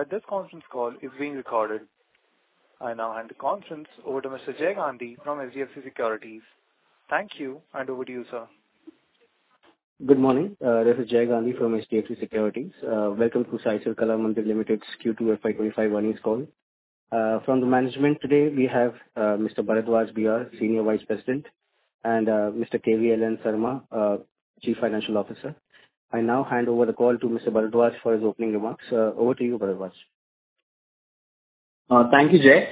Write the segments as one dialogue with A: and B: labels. A: That this conference call is being recorded. I now hand the conference over to Mr. Jay Gandhi from HDFC Securities. Thank you, and over to you, sir.
B: Good morning, this is Jay Gandhi from HDFC Securities. Welcome to Sai Silks (Kalamandir) Limited's Q2 FY25 earnings call. From the management today, we have Mr. Bharadwaj B. R., Senior Vice President, and Mr. K. V. L. N. Sarma, Chief Financial Officer. I now hand over the call to Mr. Bharadwaj for his opening remarks. Over to you, Bharadwaj.
C: Thank you, Jay.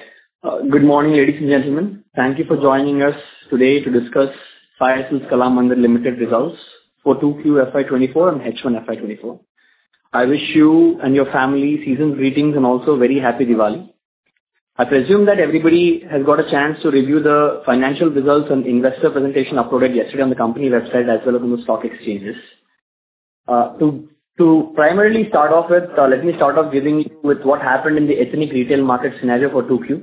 C: Good morning, ladies and gentlemen. Thank you for joining us today to discuss Sai Silks Kalamandir Limited results for 2Q FY24 and H1 FY24. I wish you and your family season's greetings and also a very happy Diwali. I presume that everybody has got a chance to review the financial results and investor presentation uploaded yesterday on the company website, as well as on the stock exchanges. To primarily start off with, let me start off giving you with what happened in the ethnic retail market scenario for 2Q.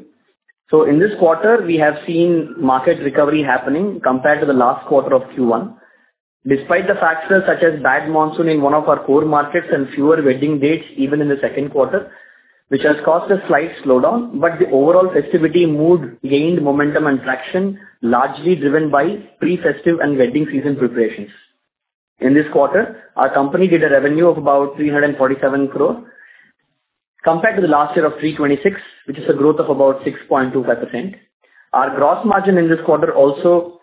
C: So in this quarter, we have seen market recovery happening compared to the last quarter of Q1. Despite the factors such as bad monsoon in one of our core markets and fewer wedding dates, even in the second quarter, which has caused a slight slowdown, but the overall festivity mood gained momentum and traction, largely driven by pre-festive and wedding season preparations. In this quarter, our company did a revenue of about 347 crore, compared to the last year of 326 crore, which is a growth of about 6.25%. Our gross margin in this quarter also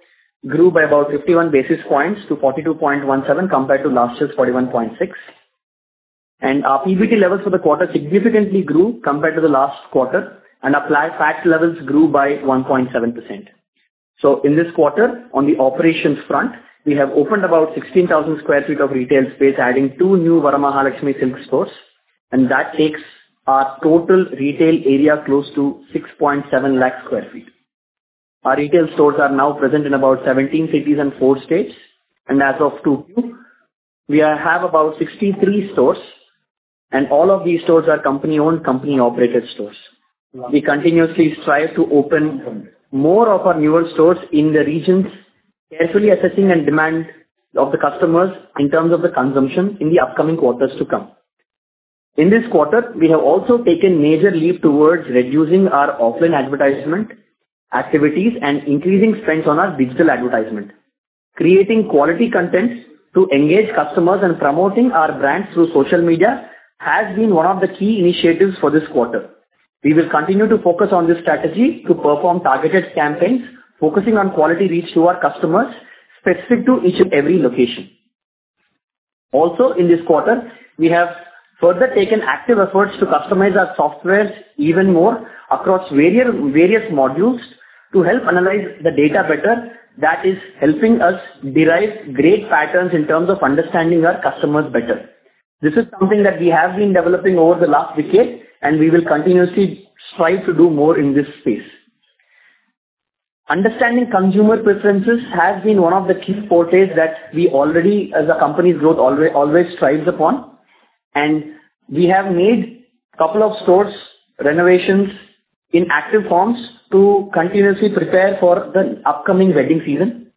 C: grew by about 51 basis points to 42.17, compared to last year's 41.6. Our PBT levels for the quarter significantly grew compared to the last quarter, and our PAT levels grew by 1.7%. So in this quarter, on the operations front, we have opened about 16,000 sq ft of retail space, adding 2 new Varamahalakshmi Silks stores, and that takes our total retail area close to 670,000 sq ft. Our retail stores are now present in about 17 cities and 4 states, and as of 2Q, we have about 63 stores, and all of these stores are company-owned, company-operated stores. We continuously strive to open more of our newer stores in the regions, carefully assessing the demand of the customers in terms of the consumption in the upcoming quarters to come. In this quarter, we have also taken a major leap towards reducing our offline advertisement activities and increasing spends on our digital advertisement. Creating quality contents to engage customers and promoting our brand through social media has been one of the key initiatives for this quarter. We will continue to focus on this strategy to perform targeted campaigns, focusing on quality reach to our customers, specific to each and every location. Also, in this quarter, we have further taken active efforts to customize our softwares even more across various modules to help analyze the data better. That is helping us derive great patterns in terms of understanding our customers better. This is something that we have been developing over the last decade, and we will continuously strive to do more in this space. Understanding consumer preferences has been one of the key portraits that we already, as a company's growth, always thrives upon, and we have made a couple of stores renovations in active forms to continuously prepare for the upcoming wedding season.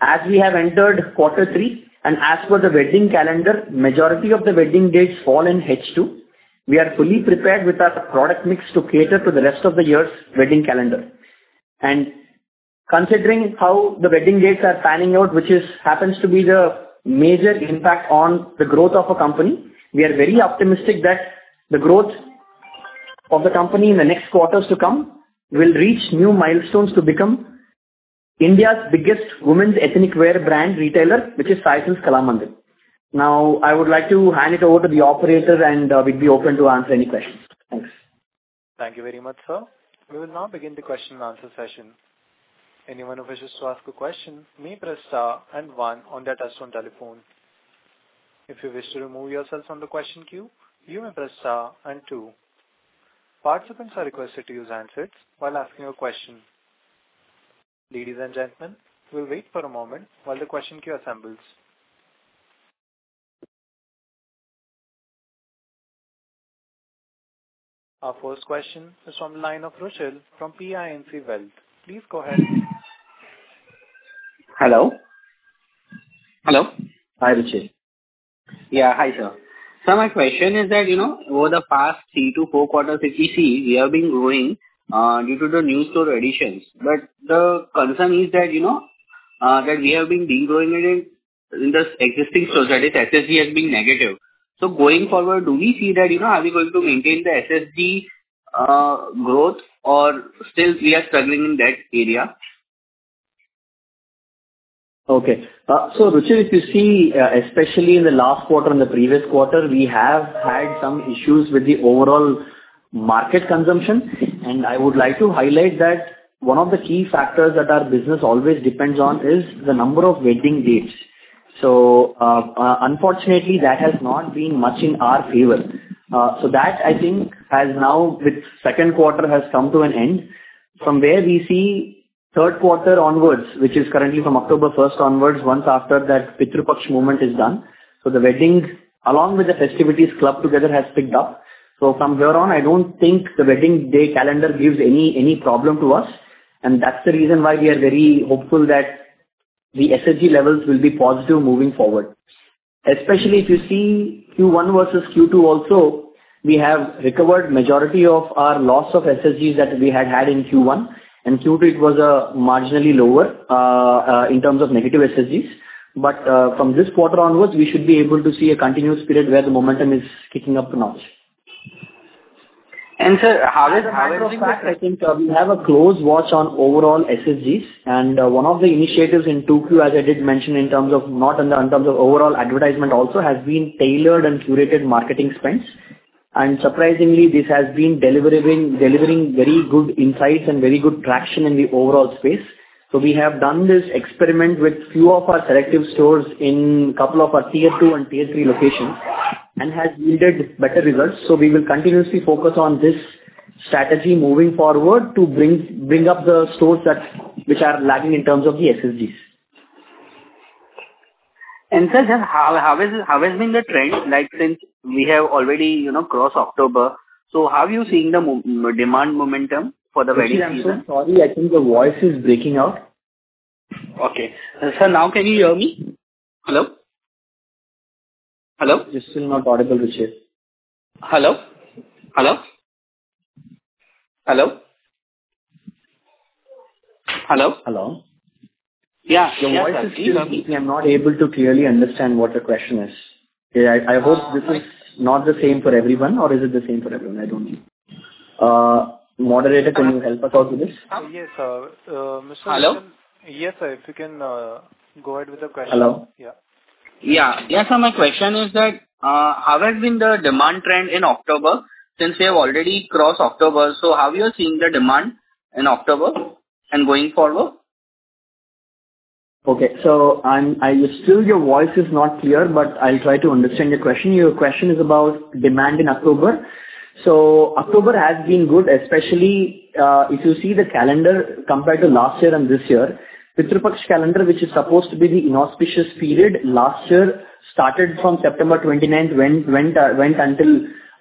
C: As we have entered quarter three, and as per the wedding calendar, majority of the wedding dates fall in H2. We are fully prepared with our product mix to cater to the rest of the year's wedding calendar. Considering how the wedding dates are panning out, which happens to be the major impact on the growth of a company, we are very optimistic that the growth of the company in the next quarters to come will reach new milestones to become India's biggest women's ethnic wear brand retailer, which is Sai Silks Kalamandir. Now, I would like to hand it over to the operator, and we'd be open to answer any questions. Thanks.
A: Thank you very much, sir. We will now begin the question and answer session. Anyone who wishes to ask a question may press star and one on their touchtone telephone. If you wish to remove yourselves from the question queue, you may press star and two. Participants are requested to use handsets while asking a question. Ladies and gentlemen, we'll wait for a moment while the question queue assembles. Our first question is from the line of Rochelle from PINC Wealth. Please go ahead.
D: Hello? Hello.
C: Hi, Rochelle.
D: Yeah. Hi, sir. So my question is that, you know, over the past three to four quarters, if you see, we have been growing due to the new store additions, but the concern is that, you know, that we have been de-growing it in the existing stores, that is, SSG has been negative. So going forward, do we see that, you know, are we going to maintain the SSG growth or still we are struggling in that area?
C: Okay. So Rochelle, if you see, especially in the last quarter and the previous quarter, we have had some issues with the overall market consumption, and I would like to highlight that one of the key factors that our business always depends on is the number of wedding dates. So, unfortunately, that has not been much in our favor. So that, I think, has now, with second quarter, has come to an end. From where we see third quarter onwards, which is currently from October first onwards, once after that Pitru Paksha moment is done. So the wedding, along with the festivities clubbed together, has picked up. So from there on, I don't think the wedding day calendar gives any problem to us, and that's the reason why we are very hopeful that the SSG levels will be positive moving forward. Especially if you see Q1 versus Q2 also, we have recovered majority of our loss of SSGs that we had had in Q1, and Q2, it was marginally lower in terms of negative SSGs. But, from this quarter onwards, we should be able to see a continuous period where the momentum is kicking up the notch.
D: Sir, how is-
C: I think, we have a close watch on overall SSGs, and, one of the initiatives in 2Q, as I did mention in terms of overall advertisement also, has been tailored and curated marketing spends. And surprisingly, this has been delivering very good insights and very good traction in the overall space. So we have done this experiment with few of our selective stores in couple of our tier two and tier three locations, and has yielded better results. So we will continuously focus on this strategy moving forward to bring up the stores that, which are lagging in terms of the SSGs.
D: Sir, just how has been the trend like since we have already, you know, crossed October, so how are you seeing the demand momentum for the wedding season?
C: I'm so sorry, I think your voice is breaking out.
D: Okay. Sir, now can you hear me? Hello? Hello?
C: You're still not audible, Rishi.
D: Hello? Hello? Hello? Hello?
C: Hello.
D: Yeah.
C: Your voice is breaking. I'm not able to clearly understand what the question is. I, I hope this is not the same for everyone, or is it the same for everyone? I don't know. Moderator, can you help us out with this?
A: Yes, sir. Mr.-
D: Hello?
A: Yes, sir, if you can, go ahead with the question.
C: Hello.
A: Yeah.
D: Yeah. Yes, sir, my question is that, how has been the demand trend in October, since we have already crossed October, so how are you seeing the demand in October and going forward?
C: Okay. So I'm still, your voice is not clear, but I'll try to understand your question. Your question is about demand in October. So October has been good, especially, if you see the calendar compared to last year and this year, Pitru Paksha calendar, which is supposed to be the inauspicious period, last year started from September twenty-ninth, went until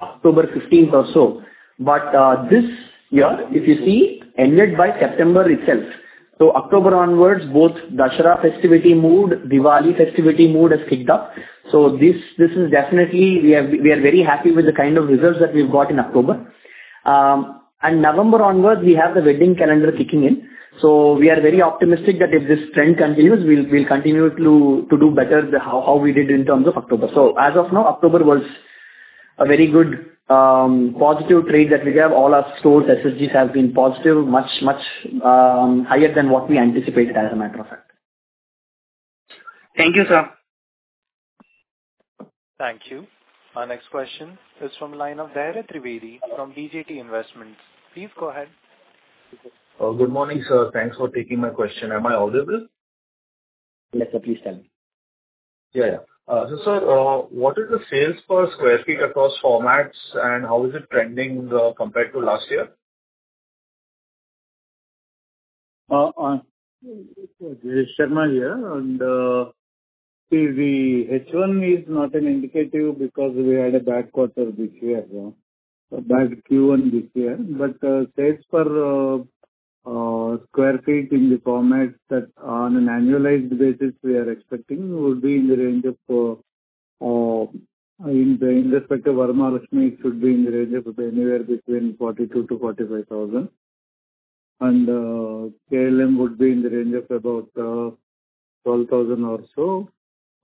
C: October fifteenth or so. But this year, if you see, ended by September itself. So October onwards, both Dussehra festivity mood, Diwali festivity mood has kicked off. So this is definitely. We are very happy with the kind of results that we've got in October. And November onwards, we have the wedding calendar kicking in, so we are very optimistic that if this trend continues, we'll continue to do better than how we did in terms of October.
D: So as of now, October was a very good, positive trade that we have. All our stores, SSGs, have been positive, much, much, higher than what we anticipated, as a matter of fact. Thank you, sir.
A: Thank you. Our next question is from the line of Dhairya Trivedi, from VJT Investments. Please go ahead.
E: Good morning, sir. Thanks for taking my question. Am I audible?
C: Yes, sir, please tell me.
E: Yeah. So, sir, what is the sales per square feet across formats, and how is it trending, compared to last year?
F: Sarma here, see, the H1 is not indicative because we had a bad quarter this year, a bad Q1 this year. But sales per sq ft in the formats that on an annualized basis we are expecting would be in the range of, in respect of Varmahalakshmi, it should be in the range of anywhere between 42,000-45,000. And KLM would be in the range of about 12,000 or so,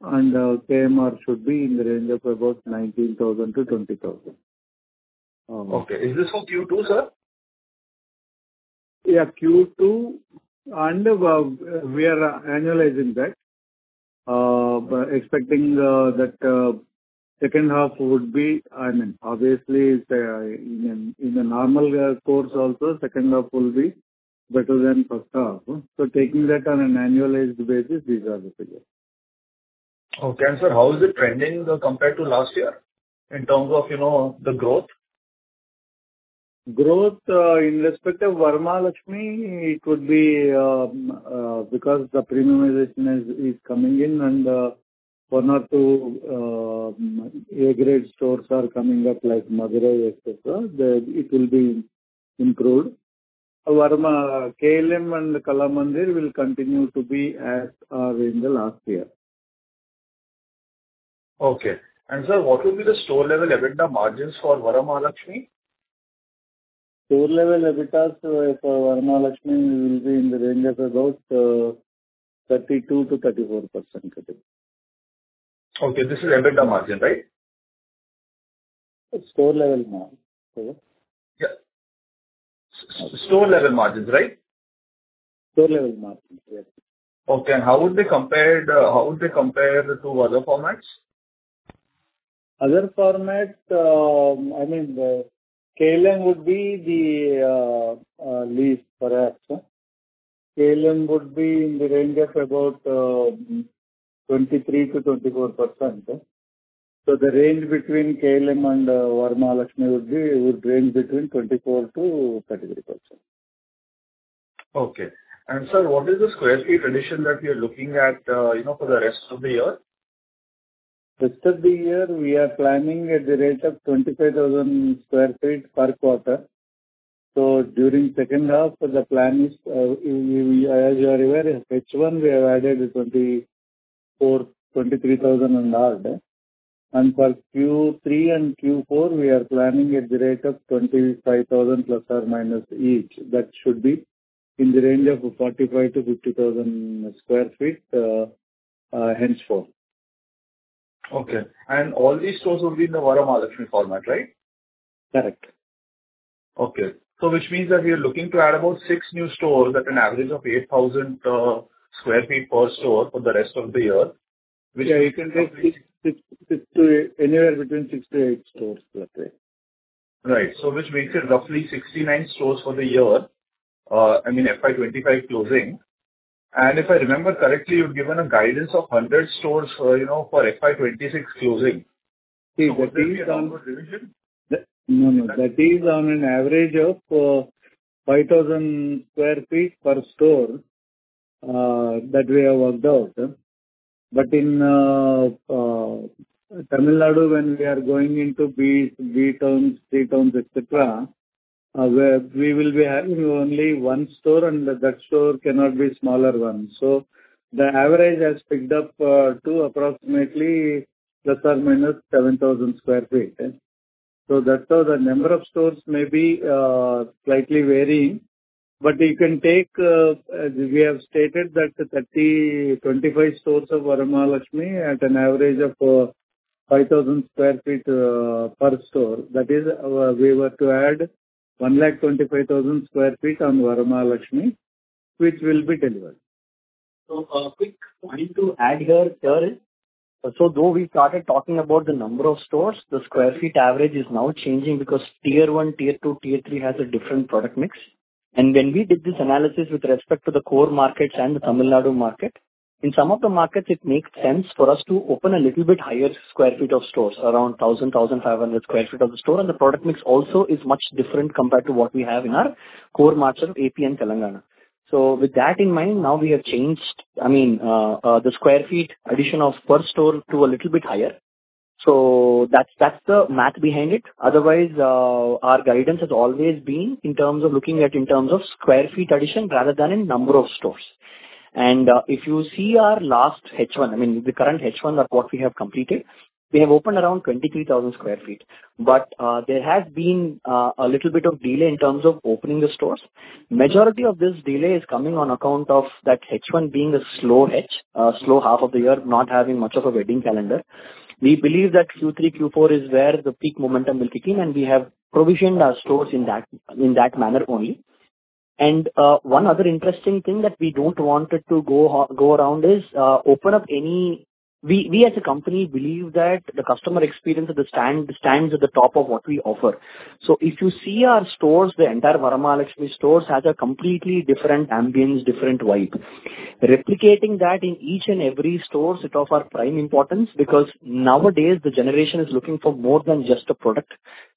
F: and KMR should be in the range of about 19,000-20,000.
E: Okay. Is this for Q2, sir?
F: Yeah, Q2, and we are annualizing that. But expecting that second half would be, I mean, obviously, in a normal course also, second half will be better than first half. So taking that on an annualized basis, these are the figures.
E: Okay. And, sir, how is it trending, compared to last year, in terms of, you know, the growth?
F: Growth in respect of Varma Lakshmi, it would be because the premiumization is coming in and one or two A-grade stores are coming up, like Madurai, etc., the... It will be improved. Varma, KLM and Kalamandir will continue to be at, in the last year.
E: Okay. Sir, what will be the store-level EBITDA margins for Vara Mahalakshmi?
F: Store-level EBITDAs for Vara Mahalakshmi will be in the range of about 32%-34%.
E: Okay, this is EBITDA margin, right?
F: Store level mar-
E: Yeah. Store level margins, right?
F: Store level margins, yes.
E: Okay, and how would they compare to other formats?
F: Other formats, I mean, the KLM would be the least perhaps. KLM would be in the range of about 23%-24%. So the range between KLM and Vara Mahalakshmi would be, would range between 24%-33%.
E: Okay. And sir, what is the square feet addition that you're looking at, you know, for the rest of the year? ...
F: Rest of the year, we are planning at the rate of 25,000 sq ft per quarter. So during second half, the plan is, as you are aware, in H1, we have added 24,000-23,000 in already. And for Q3 and Q4, we are planning at the rate of 25,000 ± each. That should be in the range of 45,000-50,000 sq ft, henceforth.
E: Okay. All these stores will be in the Vara Mahalakshmi format, right?
F: Correct.
E: Okay. So which means that we are looking to add about 6 new stores at an average of 8,000 sq ft per store for the rest of the year, which-
F: Yeah, you can take 6, 6 to anywhere between 6 to 8 stores, that's it.
E: Right. So which makes it roughly 69 stores for the year, I mean, FY 25 closing. And if I remember correctly, you've given a guidance of 100 stores, you know, for FY 26 closing.
F: See, that is on an average of 5,000 sq ft per store that we have worked out. But in Tamil Nadu, when we are going into B, B towns, C towns, et cetera, where we will be having only one store, and that store cannot be smaller one. So the average has picked up to approximately ±7,000 sq ft. So that's how the number of stores may be slightly varying, but you can take, as we have stated, that 25-30 stores of Vara Mahalakshmi at an average of 5,000 sq ft per store. That is, we were to add 125,000 sq ft on Vara Mahalakshmi, which will be delivered.
C: So a quick point to add here, sir. So though we started talking about the number of stores, the square feet average is now changing because Tier One, Tier Two, Tier Three has a different product mix. And when we did this analysis with respect to the core markets and the Tamil Nadu market, in some of the markets, it makes sense for us to open a little bit higher square feet of stores, around 1,000-1,500 sq ft of the store, and the product mix also is much different compared to what we have in our core markets of AP and Telangana. So with that in mind, now we have changed, I mean, the sq ft addition per store to a little bit higher. So that's, that's the math behind it. Otherwise, our guidance has always been in terms of looking at in terms of sq ft addition rather than in number of stores. If you see our last H1, I mean, the current H1 of what we have completed, we have opened around 23,000 sq ft. There has been a little bit of delay in terms of opening the stores. Majority of this delay is coming on account of that H1 being a slow H, a slow half of the year, not having much of a wedding calendar. We believe that Q3, Q4 is where the peak momentum will kick in, and we have provisioned our stores in that, in that manner only. One other interesting thing that we don't want it to go around is open up any... We, as a company, believe that the customer experience at the stores stands at the top of what we offer. So if you see our stores, the entire Vara Mahalakshmi stores has a completely different ambiance, different vibe. Replicating that in each and every store is of our prime importance, because nowadays the generation is looking for more than just a product.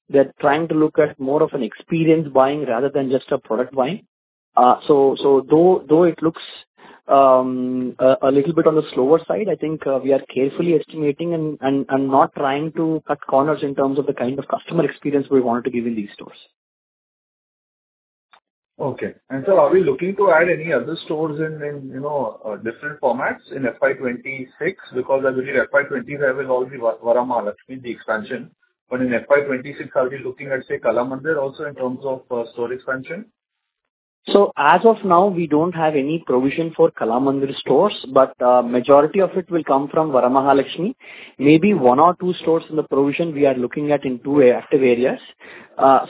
C: They're trying to look at more of an experience buying rather than just a product buying. So though it looks a little bit on the slower side, I think we are carefully estimating and not trying to cut corners in terms of the kind of customer experience we want to give in these stores.
E: Okay. So are we looking to add any other stores in, you know, different formats in FY26? Because as in FY25 is all the Vara Mahalakshmi, the expansion. But in FY26, are we looking at, say, Kalamandir also in terms of store expansion?
C: So as of now, we don't have any provision for Kalamandir stores, but majority of it will come from Vara Mahalakshmi. Maybe one or two stores in the provision we are looking at in two active areas.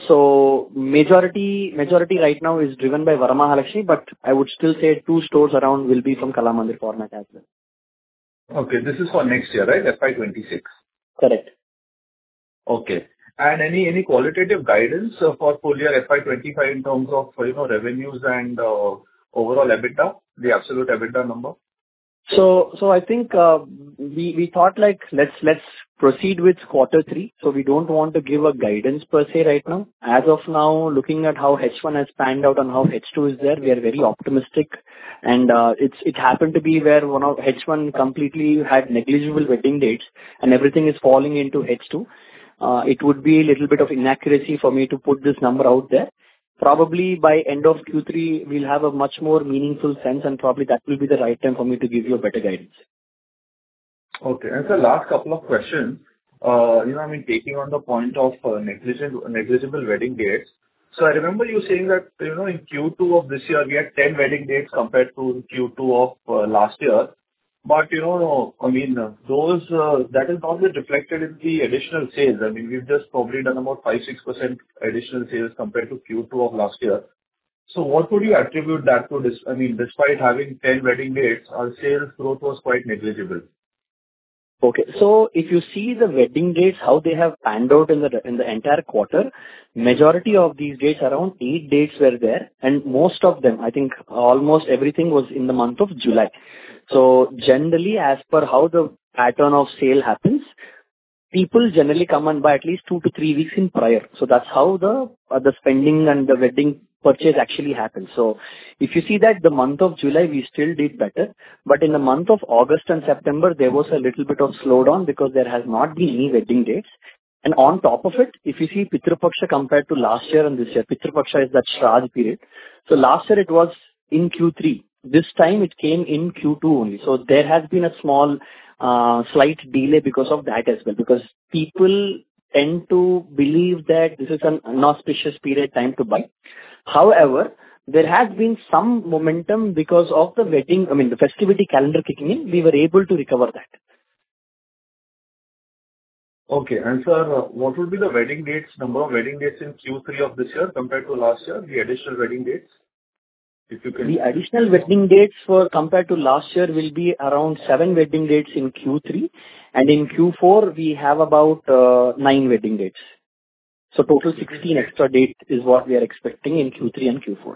C: So majority, majority right now is driven by Vara Mahalakshmi, but I would still say two stores around will be from Kalamandir format as well.
E: Okay. This is for next year, right? FY26.
C: Correct.
E: Okay. Any qualitative guidance for full year FY25 in terms of, you know, revenues and overall EBITDA, the absolute EBITDA number?
C: So, I think we thought, like, let's proceed with quarter three, so we don't want to give a guidance per se right now. As of now, looking at how H1 has panned out and how H2 is there, we are very optimistic. And, it's happened to be where one of H1 completely had negligible wedding dates, and everything is falling into H2. It would be a little bit of inaccuracy for me to put this number out there. Probably by end of Q3, we'll have a much more meaningful sense, and probably that will be the right time for me to give you a better guidance.
E: Okay. So last couple of questions. You know, I mean, taking on the point of negligible wedding dates. So I remember you saying that, you know, in Q2 of this year, we had 10 wedding dates compared to Q2 of last year. But, you know, I mean, those, that is not reflected in the additional sales. I mean, we've just probably done about 5-6% additional sales compared to Q2 of last year. So what would you attribute that to this—I mean, despite having 10 wedding dates, our sales growth was quite negligible.
C: Okay. So if you see the wedding dates, how they have panned out in the, in the entire quarter, majority of these dates, around eight dates were there, and most of them, I think almost everything was in the month of July. So generally, as per how the pattern of sale happens. People generally come and buy at least two to three weeks in prior. So that's how the, the spending and the wedding purchase actually happens. So if you see that the month of July, we still did better, but in the month of August and September, there was a little bit of slowdown because there has not been any wedding dates. And on top of it, if you see Pitru Paksha compared to last year and this year, Pitru Paksha is that Shradh period. So last year it was in Q3. This time it came in Q2 only. There has been a small, slight delay because of that as well, because people tend to believe that this is an inauspicious period time to buy. However, there has been some momentum because of the wedding, I mean, the festivity calendar kicking in; we were able to recover that.
E: Okay. And sir, what would be the wedding dates number, wedding dates in Q3 of this year compared to last year, the additional wedding dates, if you can-
C: The additional wedding dates, compared to last year, will be around 7 wedding dates in Q3, and in Q4 we have about 9 wedding dates. So total 16 extra date is what we are expecting in Q3 and Q4.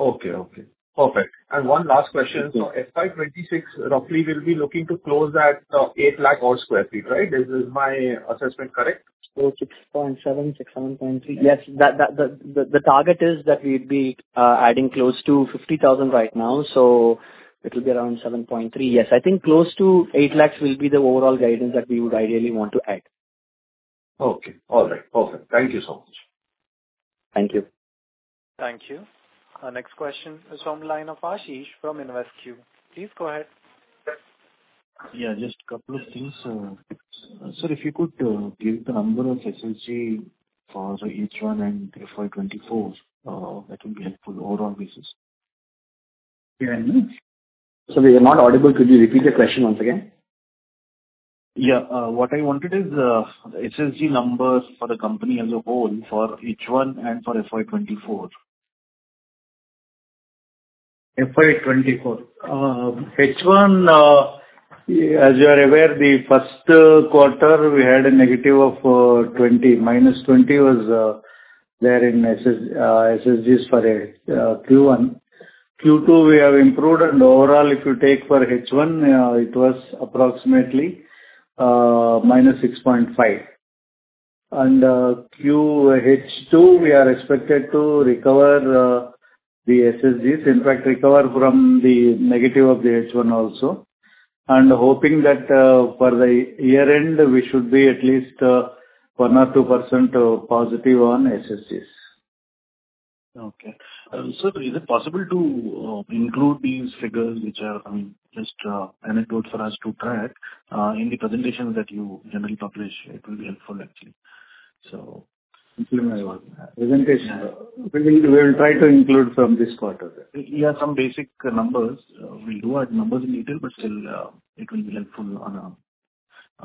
E: Okay, okay. Perfect. One last question.
C: Sure.
E: So FY 2026, roughly, we'll be looking to close at 800,000-odd sq ft, right? Is this my assessment correct?
C: So 6.7, 6, 7.3. Yes, the target is that we'd be adding close to 50,000 right now, so it will be around 7.3. Yes, I think close to 800,000 will be the overall guidance that we would ideally want to add.
E: Okay. All right. Perfect. Thank you so much.
C: Thank you.
A: Thank you. Our next question is from line of Ashish from InvestQ. Please go ahead.
G: Yeah, just a couple of things. Sir, if you could give the number of SSG for H1 and FY 2024, that would be helpful overall basis.
C: Sorry, you're not audible. Could you repeat the question once again?
G: Yeah. What I wanted is SSG numbers for the company as a whole for H1 and for FY 2024.
F: FY24. H1, as you are aware, the first quarter we had a negative of 20, minus 20 was there in SSGs for Q1. Q2, we have improved, and overall, if you take for H1, it was approximately minus 6.5. H2, we are expected to recover the SSGs. In fact, recover from the negative of the H1 also, and hoping that, for the year end, we should be at least 1%-2% positive on SSGs.
G: Okay. And sir, is it possible to include these figures which are just anecdotal for us to track in the presentations that you generally publish? It will be helpful, actually. So-
F: Presentation?
G: Yeah.
F: We will, we will try to include from this quarter.
G: We have some basic numbers. We'll do add numbers in detail, but still, it will be helpful on our...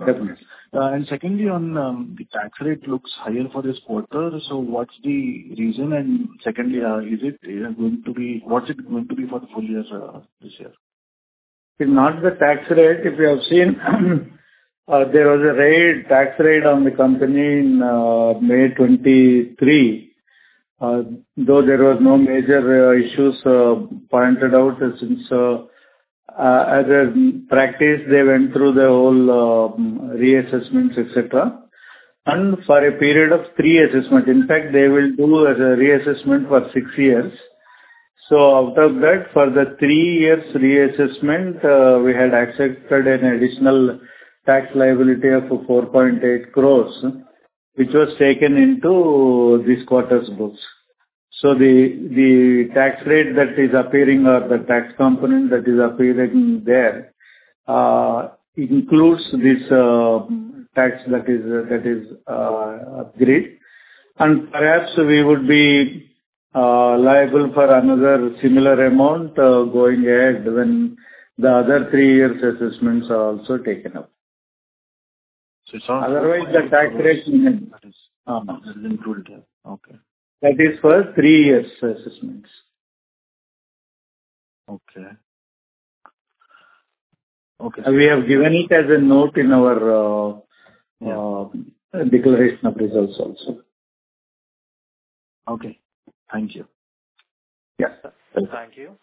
F: Definitely.
G: Secondly, on the tax rate looks higher for this quarter, so what's the reason? Secondly, is it going to be... What's it going to be for the full year, this year?
F: It's not the tax rate. If you have seen, there was a raid, tax raid on the company in May 2023. Though there was no major issues pointed out, since as a practice, they went through the whole reassessments, et cetera, and for a period of 3 assessments. In fact, they will do a reassessment for 6 years. So out of that, for the 3 years reassessment, we had accepted an additional tax liability of 4.8 crores, which was taken into this quarter's books. So the tax rate that is appearing or the tax component that is appearing there includes this tax that is agreed. And perhaps we would be liable for another similar amount going ahead when the other 3 years' assessments are also taken up.
G: So it's all.
F: Otherwise, the tax rate-
G: is included. Okay.
F: That is for three years' assessments.
G: Okay. Okay-
F: We have given it as a note in our-
G: Yeah
F: declaration of results also.
G: Okay. Thank you.
F: Yeah.
A: Thank you.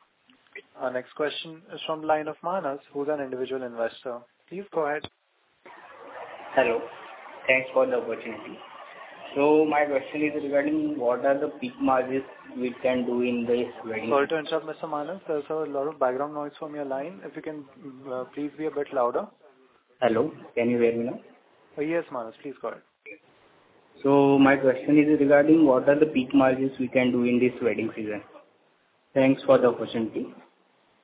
A: Our next question is from line of Manas, who's an individual investor. Please go ahead.
H: Hello. Thanks for the opportunity. My question is regarding what are the peak margins we can do in this wedding?
A: Sorry to interrupt, Mr. Manas. There's a lot of background noise from your line. If you can, please be a bit louder.
H: Hello, can you hear me now?
A: Yes, Manas, please go ahead.
H: So my question is regarding what are the peak margins we can do in this wedding season? Thanks for the opportunity.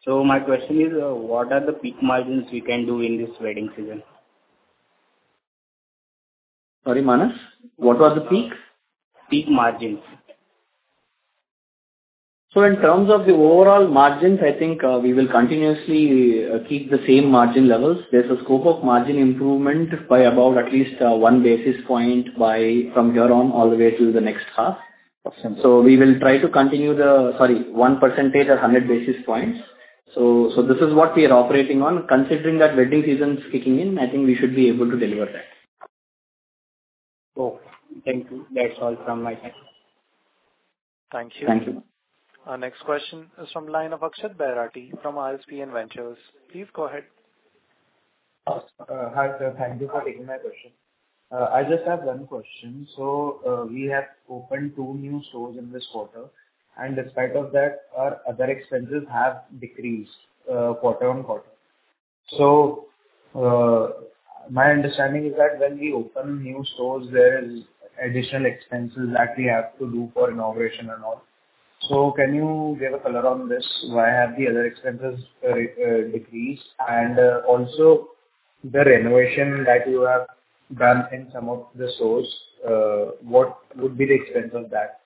H: So my question is, what are the peak margins we can do in this wedding season?
C: Sorry, Manas, what was the peak?
H: Peak margins.
C: So in terms of the overall margins, I think, we will continuously keep the same margin levels. There's a scope of margin improvement by about at least one basis point from here on, all the way till the next half.
H: Awesome.
C: We will try to continue the... Sorry, 1% or 100 basis points. So, this is what we are operating on. Considering that wedding season is kicking in, I think we should be able to deliver that. ...
A: Oh, thank you. That's all from my side. Thank you. Thank you. Our next question is from line of Akshat Bharati from RSPN Ventures. Please go ahead.
I: Hi, sir. Thank you for taking my question. I just have one question. So, we have opened two new stores in this quarter, and in spite of that, our other expenses have decreased quarter-on-quarter. So, my understanding is that when we open new stores, there is additional expenses that we have to do for inauguration and all. So can you give a color on this? Why have the other expenses decreased? And, also the renovation that you have done in some of the stores, what would be the expense of that?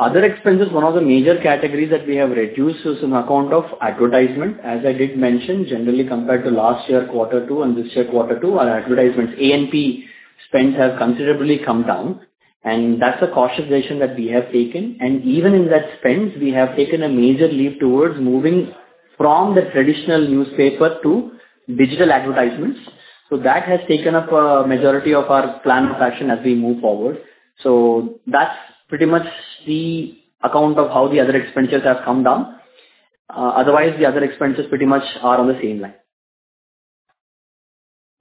C: Other expenses, one of the major categories that we have reduced is on account of advertisement. As I did mention, generally, compared to last year, quarter two and this year, quarter two, our advertisements, A&P spend, have considerably come down, and that's a cautious decision that we have taken. And even in that spend, we have taken a major leap towards moving from the traditional newspaper to digital advertisements. So that has taken up a majority of our plan of action as we move forward. So that's pretty much the account of how the other expenses have come down. Otherwise, the other expenses pretty much are on the same line.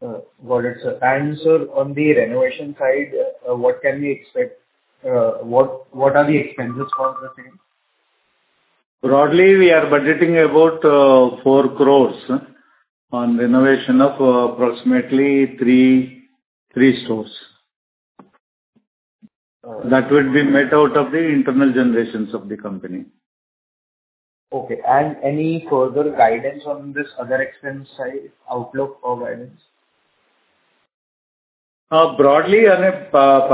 I: Got it, sir. And, sir, on the renovation side, what can we expect? What are the expenses for the same?
F: Broadly, we are budgeting about 4 crore on renovation of approximately 3 stores.
I: All right.
F: That will be met out of the internal generations of the company.
I: Okay. And any further guidance on this other expense side, outlook or guidance?
F: Broadly, on a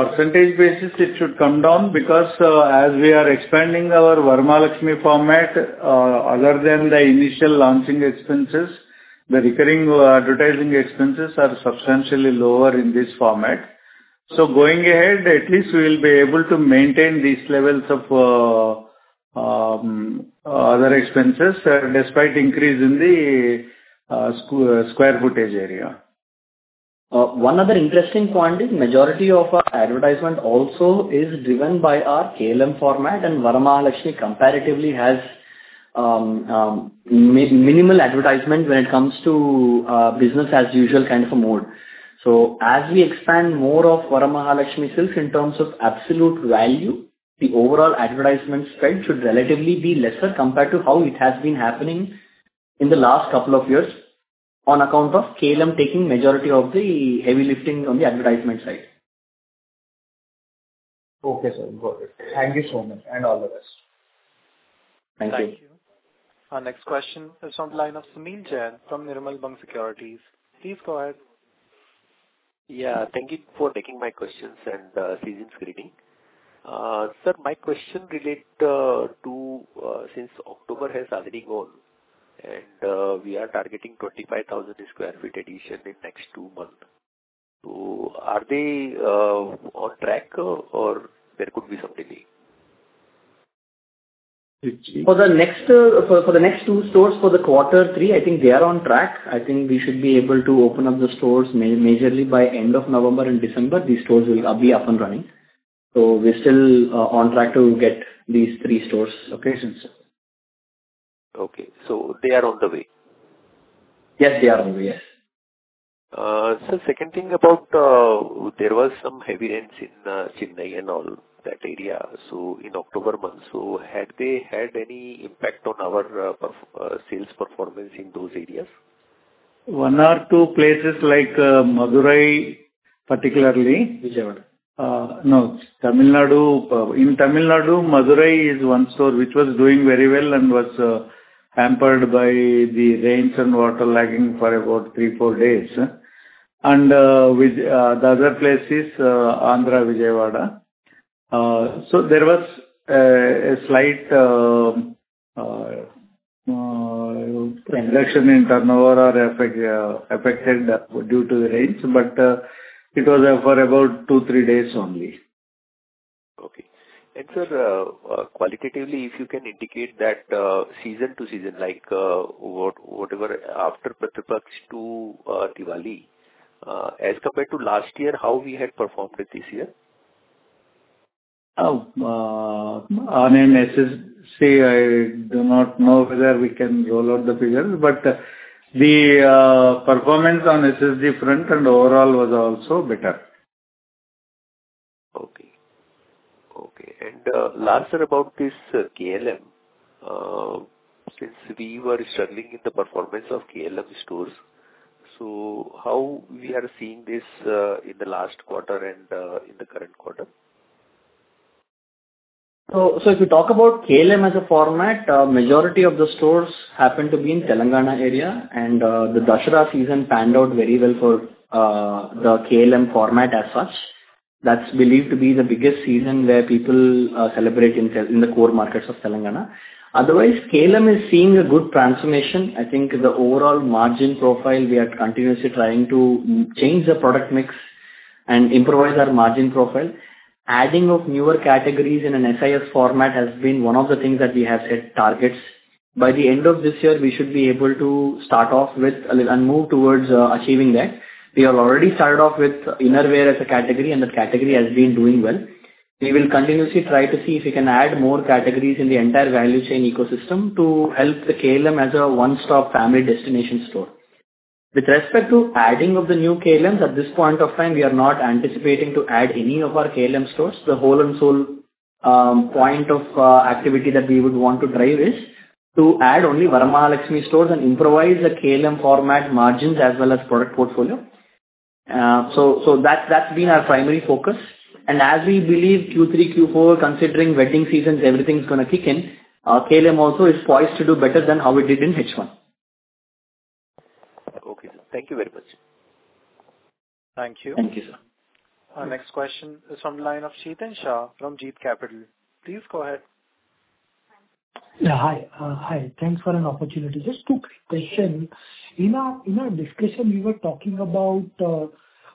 F: percentage basis, it should come down because as we are expanding our Varamahalakshmi format, other than the initial launching expenses, the recurring advertising expenses are substantially lower in this format. So going ahead, at least we will be able to maintain these levels of other expenses, despite increase in the square footage area.
C: One other interesting point is majority of our advertisement also is driven by our KLM format, and Varamahalakshmi comparatively has minimal advertisement when it comes to business as usual, kind of a mode. So as we expand more of Varamahalakshmi Silks in terms of absolute value, the overall advertisement spend should relatively be lesser compared to how it has been happening in the last couple of years, on account of KLM taking majority of the heavy lifting on the advertisement side.
I: Okay, sir. Got it. Thank you so much, and all the best.
C: Thank you.
A: Thank you. Our next question is on the line of Sumeet Jain from Nirmal Bang Securities. Please go ahead.
J: Yeah, thank you for taking my questions, and season's greeting. Sir, my question relate to since October has already gone, and we are targeting 25,000 sq ft addition in next two months. So are they on track or there could be some delay?
F: Which-
C: For the next two stores for quarter three, I think they are on track. I think we should be able to open up the stores majorly by end of November and December. These stores will be up and running. So we're still on track to get these three stores open.
J: Okay. So they are on the way?
C: Yes, they are on the way. Yes.
J: So, second thing about, there was some heavy rains in Chennai and all that area, so in October month. So had they had any impact on our sales performance in those areas?
F: One or two places like, Madurai particularly.
J: Vijayawada.
F: No, Tamil Nadu. In Tamil Nadu, Madurai is one store which was doing very well and was hampered by the rains and waterlogging for about 3-4 days. And with the other place is Andhra, Vijayawada. So there was a slight.
J: Yes...
F: reduction in turnover or affected due to the rains, but it was for about 2-3 days only.
J: Okay. And sir, qualitatively, if you can indicate that, season to season, like, whatever, after Pitru Paksha to Diwali, as compared to last year, how we had performed it this year?
F: On an SSG basis, I do not know whether we can roll out the figures, but the performance on SSG front and overall was also better.
J: Okay. Okay, and last word about this KLM. Since we were struggling in the performance of KLM stores, so how we are seeing this in the last quarter and in the current quarter?
C: So, if you talk about KLM as a format, majority of the stores happen to be in Telangana area, and the Dussehra season panned out very well for the KLM format as such. That's believed to be the biggest season where people celebrate in the core markets of Telangana. Otherwise, KLM is seeing a good transformation. I think the overall margin profile, we are continuously trying to change the product mix and improvise our margin profile. Adding of newer categories in an SIS format has been one of the things that we have set targets. By the end of this year, we should be able to start off with a little, and move towards achieving that. We have already started off with innerwear as a category, and that category has been doing well. We will continuously try to see if we can add more categories in the entire value chain ecosystem to help the KLM as a one-stop family destination store. With respect to adding of the new KLMs, at this point of time, we are not anticipating to add any of our KLM stores. The whole and sole point of activity that we would want to drive is to add only Vara Mahalakshmi stores and improvise the KLM format margins as well as product portfolio. So that that's been our primary focus. As we believe, Q3, Q4, considering wedding seasons, everything's gonna kick in. KLM also is poised to do better than how we did in H1.
J: Okay, sir. Thank you very much.
A: Thank you.
J: Thank you, sir.
A: Our next question is from line of Chetan Shah from Jeet Capital. Please go ahead.
K: Yeah, hi. Hi, thanks for an opportunity. Just two question. In our, in our discussion, we were talking about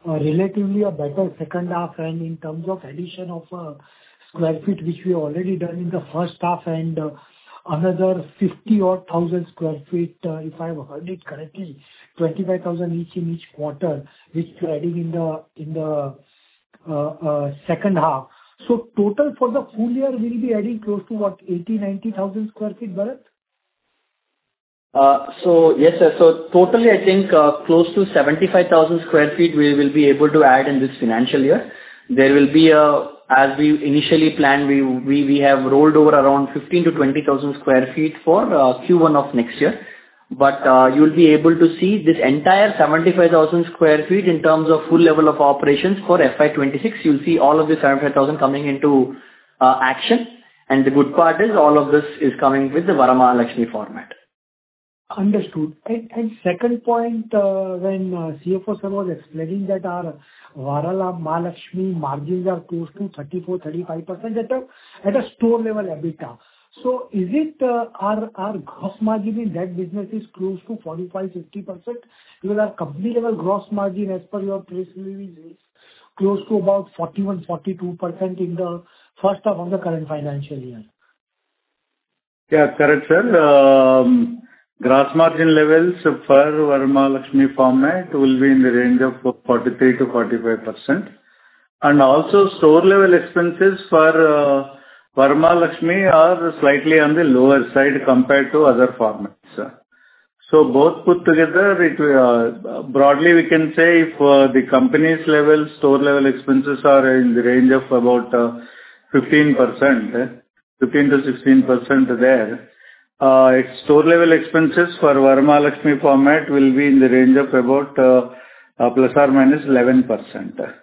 K: relatively a better second half and in terms of addition of square feet, which we already done in the first half, and another fifty or thousand sq ft, if I've heard it correctly, 25,000 each in each quarter, which you're adding in the, in the second half. So total for the full year will be adding close to what? 80,000-90,000 sq ft, Bharat?
C: So yes, sir. So totally, I think, close to 75,000 sq ft we will be able to add in this financial year. As we initially planned, we have rolled over around 15,000-20,000 sq ft for Q1 of next year. But, you'll be able to see this entire 75,000 sq ft in terms of full level of operations for FY26. You'll see all of the 75,000 coming into action, and the good part is, all of this is coming with the Vara Mahalakshmi format.
K: Understood. And, and second point, when, CFO sir was explaining that our Vara Mahalakshmi margins are close to 34%-35% at a, at a store level EBITDA. So is it, our, our gross margin in that business is close to 45%-50%? Because our company-level gross margin, as per your previously, is close to about 41%-42% in the first half of the current financial year.
F: Yeah, correct, sir. Gross margin levels for Vara Mahalakshmi format will be in the range of 43%-45%. And also, store-level expenses for Vara Mahalakshmi are slightly on the lower side compared to other formats, sir. So both put together, it, broadly, we can say for the company's level, store-level expenses are in the range of about 15%-16% there. Its store-level expenses for Vara Mahalakshmi format will be in the range of about ±11%.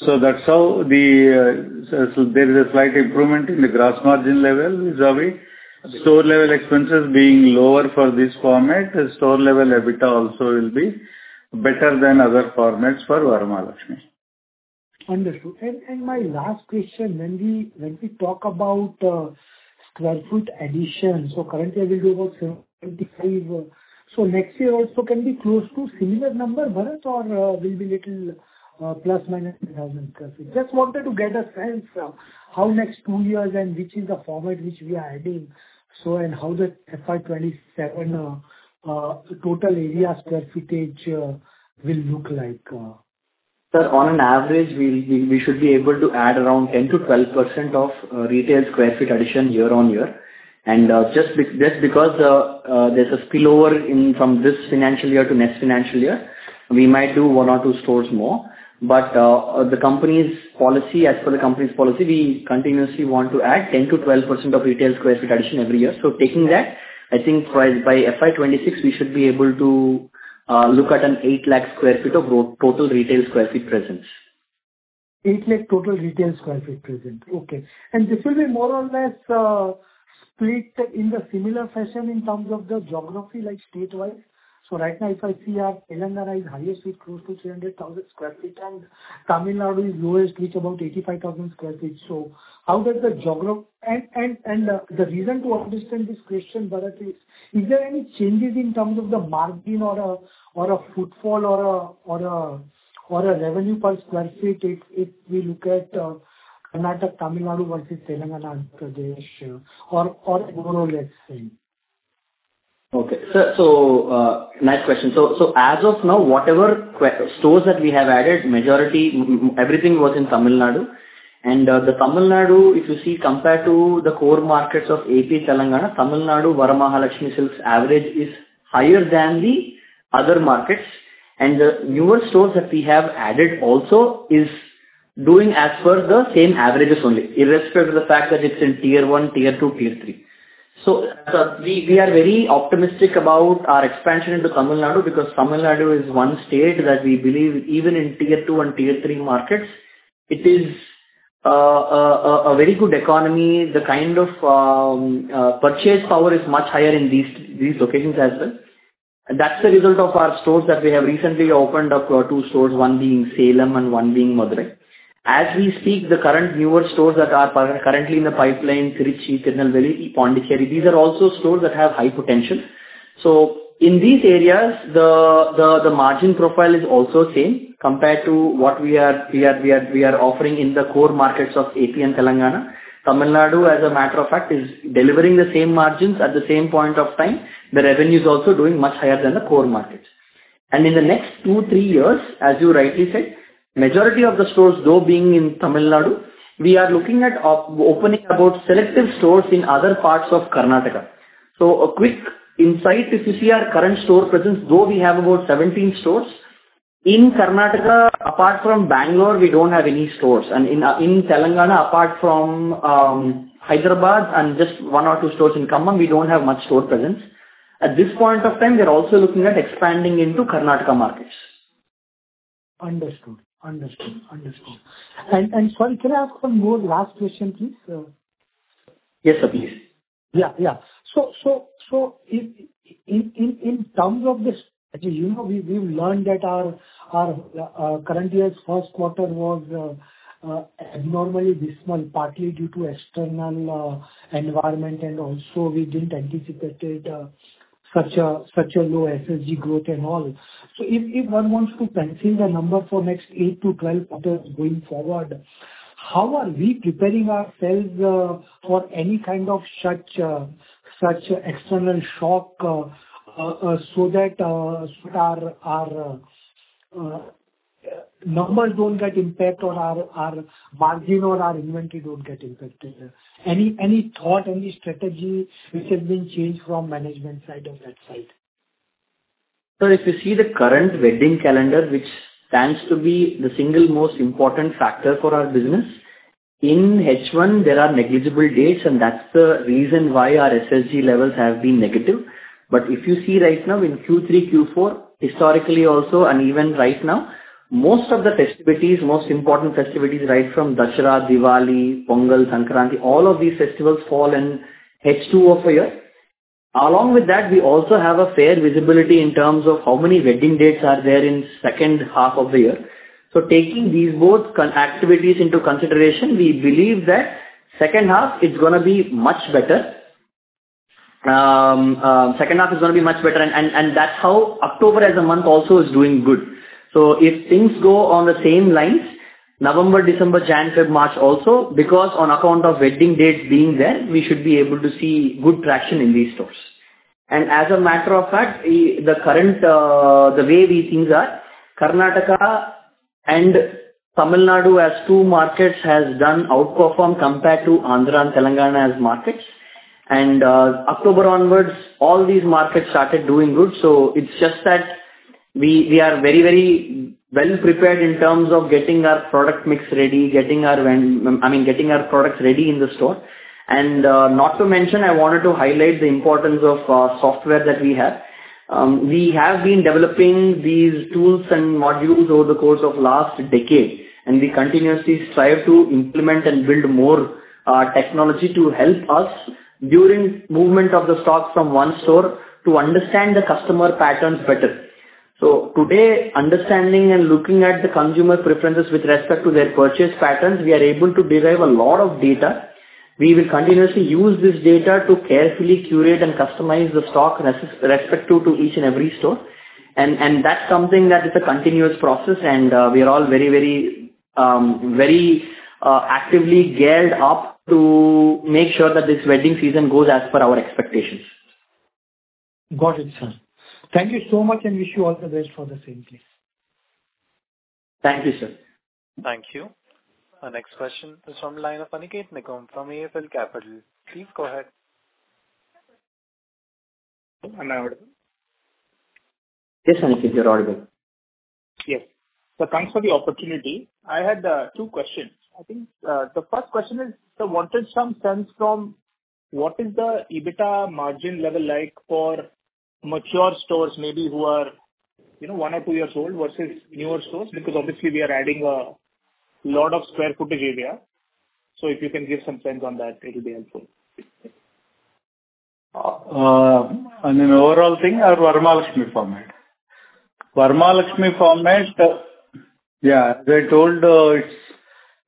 F: So that's how the, so there is a slight improvement in the gross margin level is how we... Store-level expenses being lower for this format, store-level EBITDA also will be better than other formats for Vara Mahalakshmi.
K: Understood. My last question, when we talk about sq ft addition, so currently we do about 75. So next year also can be close to similar number, Bharat, or will be little ±1,000 sq ft? Just wanted to get a sense how next two years and which is the format which we are adding, so, and how the FY 2027 total area square footage will look like?
C: Sir, on average, we should be able to add around 10%-12% of retail sq ft addition year-on-year. And there's a spillover in from this financial year to next financial year, we might do 1 or 2 stores more. But the company's policy, as per the company's policy, we continuously want to add 10%-12% of retail sq ft addition every year. So taking that, I think by FY26, we should be able to look at 800,000 sq ft of total retail sq ft presence.
K: 800,000 total retail sq ft present. Okay. And this will be more or less, split in the similar fashion in terms of the geography, like statewise? So right now, if I see, Telangana is highest, with close to 300,000 sq ft, and Tamil Nadu is lowest, with about 85,000 sq ft. So how does the geograph... And the reason to understand this question, Bharat, is, is there any changes in terms of the margin or a, or a footfall or a, or a, or a revenue per sq ft if, if we look at, Karnataka, Tamil Nadu versus Telangana, Andhra Pradesh, or, or overall, let's say?
C: Okay. Sir, so, nice question. So, as of now, whatever new stores that we have added, majority, everything was in Tamil Nadu. And the Tamil Nadu, if you see, compared to the core markets of AP, Telangana, Tamil Nadu, Vara Mahalakshmi Silks' average is higher than the other markets. And the newer stores that we have added also is doing as per the same averages only, irrespective of the fact that it's in Tier one, Tier two, Tier three. So, sir, we are very optimistic about our expansion into Tamil Nadu, because Tamil Nadu is one state that we believe, even in Tier two and Tier three markets, it is a very good economy. The kind of purchasing power is much higher in these locations as well. That's the result of our stores that we have recently opened up, two stores, one being Salem and one being Madurai. As we speak, the current newer stores that are currently in the pipeline, Trichy, Tirunelveli, Pondicherry, these are also stores that have high potential. So in these areas, the margin profile is also same compared to what we are offering in the core markets of AP and Telangana. Tamil Nadu, as a matter of fact, is delivering the same margins at the same point of time. The revenue is also doing much higher than the core markets. And in the next two, three years, as you rightly said, majority of the stores, though, being in Tamil Nadu, we are looking at opening about selective stores in other parts of Karnataka. So a quick insight, if you see our current store presence, though we have about 17 stores in Karnataka, apart from Bangalore, we don't have any stores. And in Telangana, apart from Hyderabad and just 1 or 2 stores in Khammam, we don't have much store presence. At this point of time, we are also looking at expanding into Karnataka markets.
K: Understood. Understood, understood. And sorry, can I ask one more last question, please?
C: Yes, sir, please.
K: Yeah, yeah. So in terms of this, you know, we've learned that our current year's first quarter was abnormally dismal, partly due to external environment, and also we didn't anticipated such a low SSG growth and all. So if one wants to foresee the number for next 8-12 quarters going forward, how are we preparing ourselves for any kind of such external shock, so that our numbers don't get impact or our margin or our inventory don't get impacted? Any thought, any strategy which has been changed from management side or that side?
C: Sir, if you see the current wedding calendar, which stands to be the single most important factor for our business, in H1, there are negligible dates, and that's the reason why our SSG levels have been negative. But if you see right now in Q3, Q4, historically also and even right now, most of the festivities, most important festivities, right from Dussehra, Diwali, Pongal, Sankranti, all of these festivals fall in H2 of a year. Along with that, we also have a fair visibility in terms of how many wedding dates are there in second half of the year. So taking these both con- activities into consideration, we believe that second half is gonna be much better. Second half is gonna be much better, and that's how October as a month also is doing good. So if things go on the same lines, November, December, January, March also, because on account of wedding dates being there, we should be able to see good traction in these stores. And as a matter of fact, the current way these things are, Karnataka and Tamil Nadu as two markets has done outperform compared to Andhra and Telangana as markets. And October onwards, all these markets started doing good. So it's just that we, we are very, very well prepared in terms of getting our product mix ready, I mean, getting our products ready in the store. And not to mention, I wanted to highlight the importance of software that we have. We have been developing these tools and modules over the course of last decade, and we continuously strive to implement and build more technology to help us during movement of the stock from one store to understand the customer patterns better. So today, understanding and looking at the consumer preferences with respect to their purchase patterns, we are able to derive a lot of data. We will continuously use this data to carefully curate and customize the stock in respect to each and every store. And that's something that is a continuous process, and we are all very actively geared up to make sure that this wedding season goes as per our expectations.
K: Got it, sir. Thank you so much, and wish you all the best for the same, please.
C: Thank you, sir.
A: Thank you. Our next question is from the line of Aniket Nicholson from AFL Capital. Please go ahead.
L: Am I audible?
C: Yes, Aniket, you're audible.
L: Yes. So thanks for the opportunity. I had two questions. I think the first question is, so wanted some sense from what is the EBITDA margin level like for mature stores, maybe who are, you know, one or two years old versus newer stores? Because obviously we are adding a lot of square footage area. So if you can give some sense on that, it'll be helpful.
F: On an overall thing, our Vara Mahalakshmi format. Vara Mahalakshmi format, yeah, as I told, it's,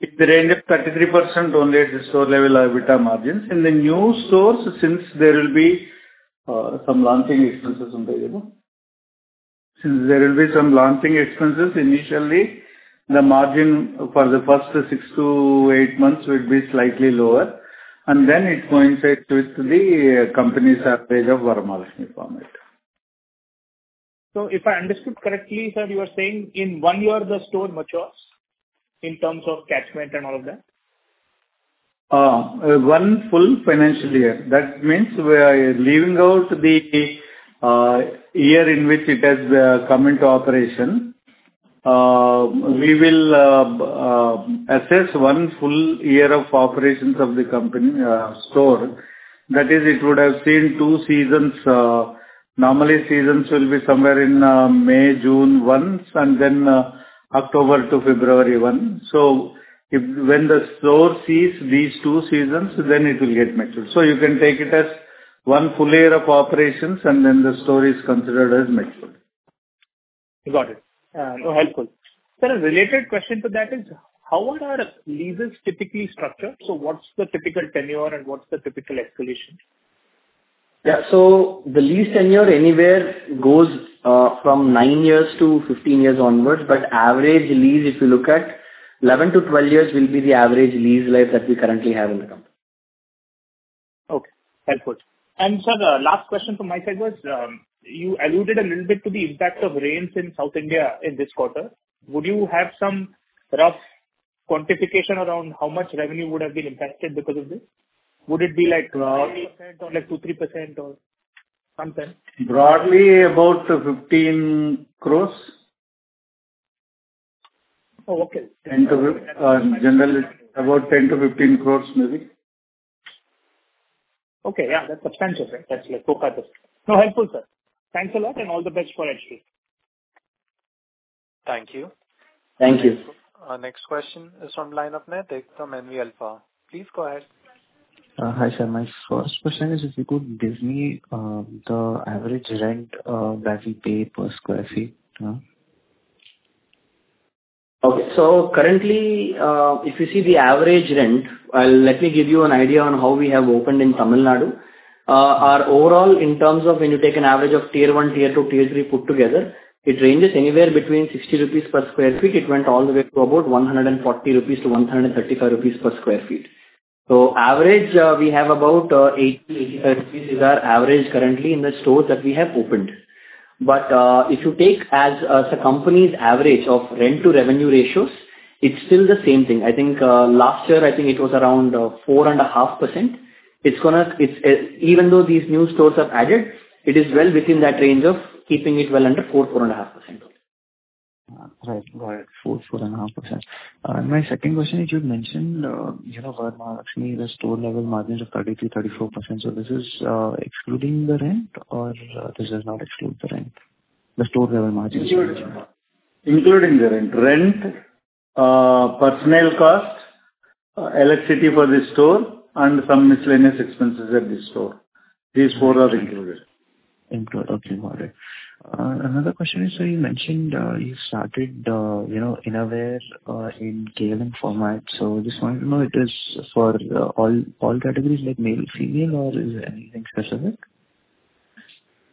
F: it's in the range of 33% only at the store level, our EBITDA margins. In the new stores, since there will be some launching expenses on there, you know. Since there will be some launching expenses, initially, the margin for the first 6-8 months will be slightly lower, and then it coincides with the company's average of Vara Mahalakshmi format.
L: If I understood correctly, sir, you are saying in one year, the store matures in terms of catchment and all of that?
F: One full financial year. That means we are leaving out the year in which it has come into operation. We will assess one full year of operations of the company store. That is, it would have seen two seasons. Normally, seasons will be somewhere in May, June once, and then October to February once. So if, when the store sees these two seasons, then it will get mature. So you can take it as one full year of operations, and then the store is considered as mature....
L: Got it. Helpful. Sir, a related question to that is: how are our leases typically structured? So what's the typical tenure, and what's the typical escalation?
C: Yeah. So the lease tenure anywhere goes from 9-15 years onwards. But average lease, if you look at, 11-12 years will be the average lease life that we currently have in the company.
L: Okay, helpful. Sir, last question from my side is, you alluded a little bit to the impact of rains in South India in this quarter. Would you have some rough quantification around how much revenue would have been impacted because of this? Would it be like 2% or like 2-3% or something?
F: Broadly, about 15 crore.
L: Oh, okay.
F: Generally, about 10-15 crore, maybe.
L: Okay, yeah. That's substantial. That's like 2 quarters. No, helpful, sir. Thanks a lot, and all the best for HDFC.
A: Thank you.
C: Thank you.
A: Next question is from line of Naitik from NV Alpha. Please go ahead.
M: Hi, sir. My first question is, if you could give me the average rent that you pay per square feet?
C: Okay. So currently, if you see the average rent, I'll let me give you an idea on how we have opened in Tamil Nadu. Our overall, in terms of when you take an average of tier one, tier two, tier three put together, it ranges anywhere between 60 rupees per sq ft. It went all the way to about 140 rupees to 135 rupees per sq ft. So average, we have about 80-85 rupees is our average currently in the stores that we have opened. But if you take as a company's average of rent-to-revenue ratios, it's still the same thing. I think last year, I think it was around 4.5%. It's gonna, it's, even though these new stores have added, it is well within that range of keeping it well under 4-4.5%.
M: Right. Got it. 4, 4.5%. My second question is, you've mentioned, you know, for Mahalakshmi, the store-level margins of 33, 34%. So this is excluding the rent, or this does not exclude the rent, the store-level margins?
F: Including the rent. Rent, personnel costs, electricity for the store and some miscellaneous expenses at the store. These four are included.
M: Included. Okay, got it. Another question is, so you mentioned, you know, Innerwear in KLM format. So just want to know, it is for all, all categories like male, female, or is it anything specific?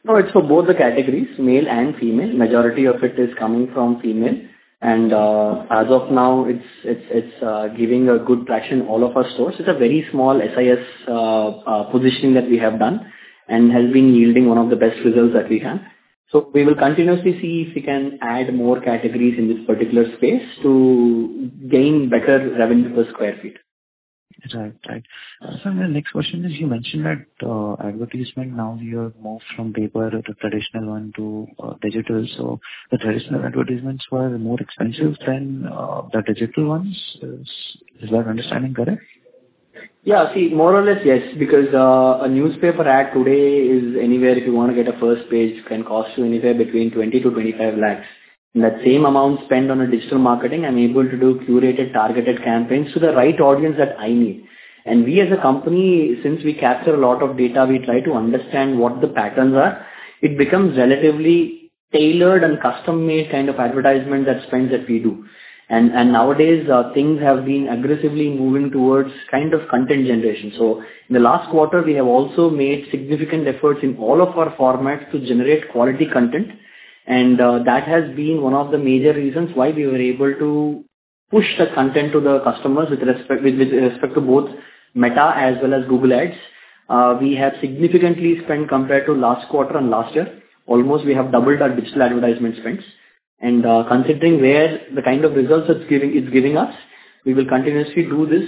C: No, it's for both the categories, male and female. Majority of it is coming from female. And as of now, it's giving a good traction, all of our stores. It's a very small SIS positioning that we have done and has been yielding one of the best results that we have. So we will continuously see if we can add more categories in this particular space to gain better revenue per square feet.
M: Right. Right. So my next question is, you mentioned that, advertisement now you have moved from paper or the traditional one to, digital. So the traditional advertisements were more expensive than, the digital ones? Is that understanding correct?
C: Yeah. See, more or less, yes, because, a newspaper ad today is anywhere, if you want to get a first page, can cost you anywhere between 20-25 lakhs. And that same amount spent on a digital marketing, I'm able to do curated, targeted campaigns to the right audience that I need. And we, as a company, since we capture a lot of data, we try to understand what the patterns are. It becomes relatively tailored and custom-made kind of advertisement that spends that we do. And, and nowadays, things have been aggressively moving towards kind of content generation. So in the last quarter, we have also made significant efforts in all of our formats to generate quality content, and, that has been one of the major reasons why we were able to push the content to the customers with respect, with, with respect to both Meta as well as Google Ads. We have significantly spent compared to last quarter and last year. Almost, we have doubled our digital advertisement spends. And, considering where the kind of results it's giving, it's giving us, we will continuously do this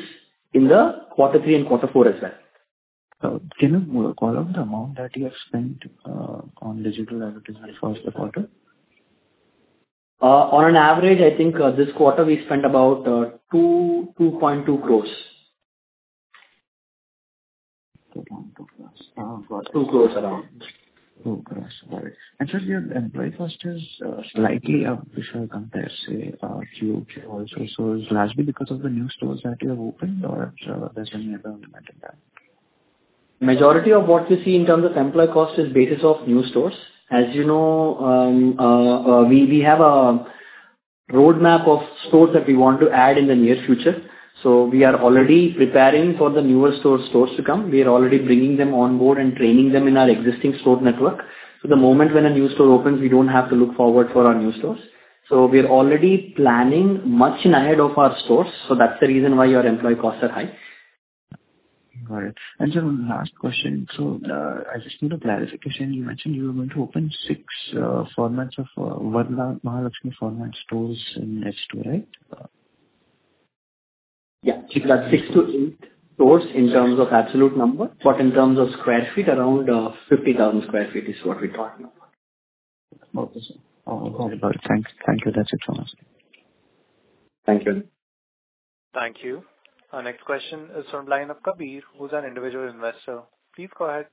C: in the quarter three and quarter four as well.
M: Can you call out the amount that you have spent on digital advertisement for the quarter?
C: On an average, I think this quarter we spent about 2.2 crore.
M: 2.2 crore.
C: Around 2 crore.
M: 2 crore, got it. So your employee cost is slightly up this year compared to, say, Q2 also. So is largely because of the new stores that you have opened or is there any other element in that?
C: Majority of what you see in terms of employee cost is based on new stores. As you know, we have a roadmap of stores that we want to add in the near future. So we are already preparing for the new stores to come. We are already bringing them on board and training them in our existing store network. So the moment when a new store opens, we don't have to look forward for our new stores. So we are already planning much in advance of our stores, so that's the reason why the employee costs are high.
M: Got it. And so last question: So, I just need a clarification. You mentioned you were going to open six formats of Vara Mahalakshmi format stores in H2, right?
C: Yeah. Keep it at 6-8 stores in terms of absolute number, but in terms of square feet, around 50,000 sq ft is what we're talking about.
M: Okay. Got it. Thank you. Thank you. That's it from us.
C: Thank you.
A: Thank you. Our next question is from line of Kabir, who's an individual investor. Please go ahead.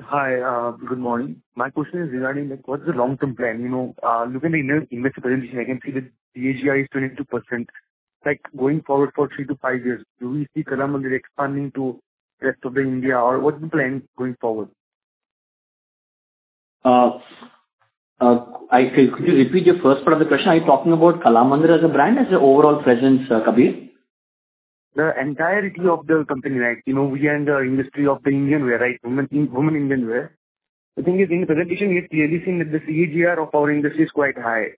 H: Hi, good morning. My question is regarding, like, what is the long-term plan? You know, looking at the image presentation, I can see that the CAGR is 22%. ... Like, going forward for 3-5 years, do we see Kalamandir expanding to rest of the India, or what's the plan going forward?
C: I think, could you repeat your first part of the question? Are you talking about Kalamandir as a brand or as an overall presence, Kabir?
H: The entirety of the company, like, you know, we are in the industry of the Indian wear, right? Women, women Indian wear. The thing is, in the presentation, we've clearly seen that the CAGR of our industry is quite high.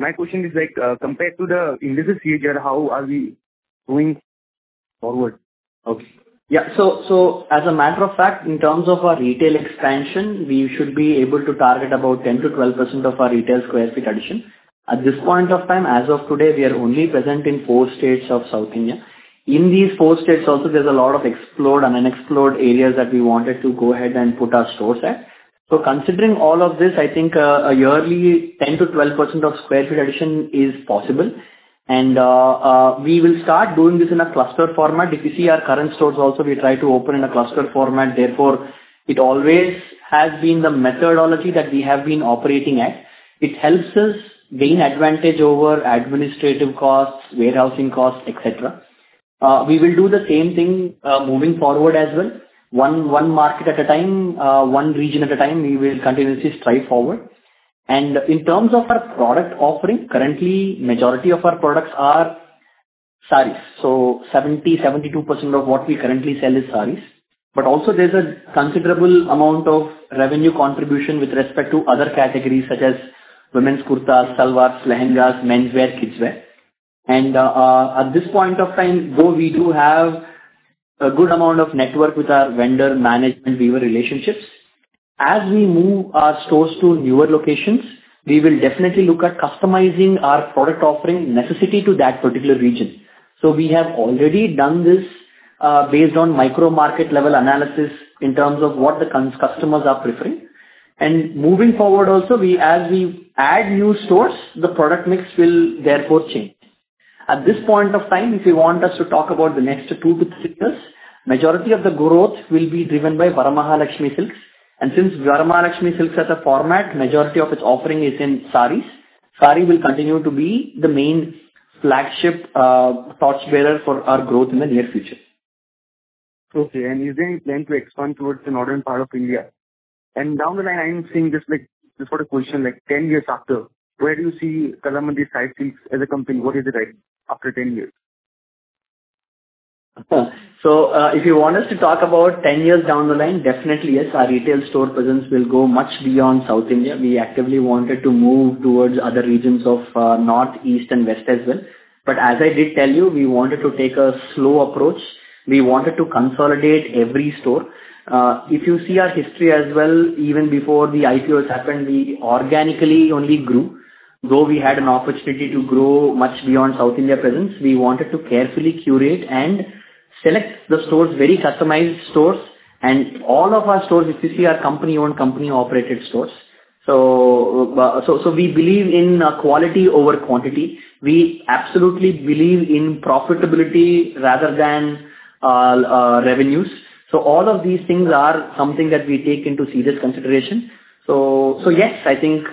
H: My question is, like, compared to the industry's CAGR, how are we going forward?
C: Okay. Yeah, so, so as a matter of fact, in terms of our retail expansion, we should be able to target about 10%-12% of our retail sq ft addition. At this point of time, as of today, we are only present in four states of South India. In these four states also, there's a lot of explored and unexplored areas that we wanted to go ahead and put our stores at. So considering all of this, I think, a yearly 10%-12% of sq ft addition is possible. And, we will start doing this in a cluster format. If you see our current stores also, we try to open in a cluster format, therefore, it always has been the methodology that we have been operating at. It helps us gain advantage over administrative costs, warehousing costs, et cetera. We will do the same thing, moving forward as well. One market at a time, one region at a time, we will continuously strive forward. In terms of our product offering, currently, majority of our products are sarees. So 72% of what we currently sell is sarees. But also there's a considerable amount of revenue contribution with respect to other categories, such as women's kurtas, salwars, lehengas, menswear, kidswear. At this point of time, though we do have a good amount of network with our vendor management dealer relationships, as we move our stores to newer locations, we will definitely look at customizing our product offering necessity to that particular region. So we have already done this, based on micro-market level analysis in terms of what the customers are preferring. Moving forward also, we, as we add new stores, the product mix will therefore change. At this point of time, if you want us to talk about the next two to three quarters, majority of the growth will be driven by Vara Mahalakshmi Silks. Since Vara Mahalakshmi Silks, as a format, majority of its offering is in sarees, saree will continue to be the main flagship, torchbearer for our growth in the near future.
H: Okay, is there any plan to expand towards the northern part of India? And down the line, I'm seeing this, like, this for the question, like, ten years after, where do you see Kalamandir Silks as a company? What is it like after ten years?
C: So, if you want us to talk about 10 years down the line, definitely, yes, our retail store presence will go much beyond South India. We actively wanted to move towards other regions of, North, East, and West as well. But as I did tell you, we wanted to take a slow approach. We wanted to consolidate every store. If you see our history as well, even before the IPOs happened, we organically only grew. Though we had an opportunity to grow much beyond South India presence, we wanted to carefully curate and select the stores, very customized stores. And all of our stores, if you see, are company-owned, company-operated stores. So, we believe in quality over quantity. We absolutely believe in profitability rather than revenues. So all of these things are something that we take into serious consideration. Yes, I think,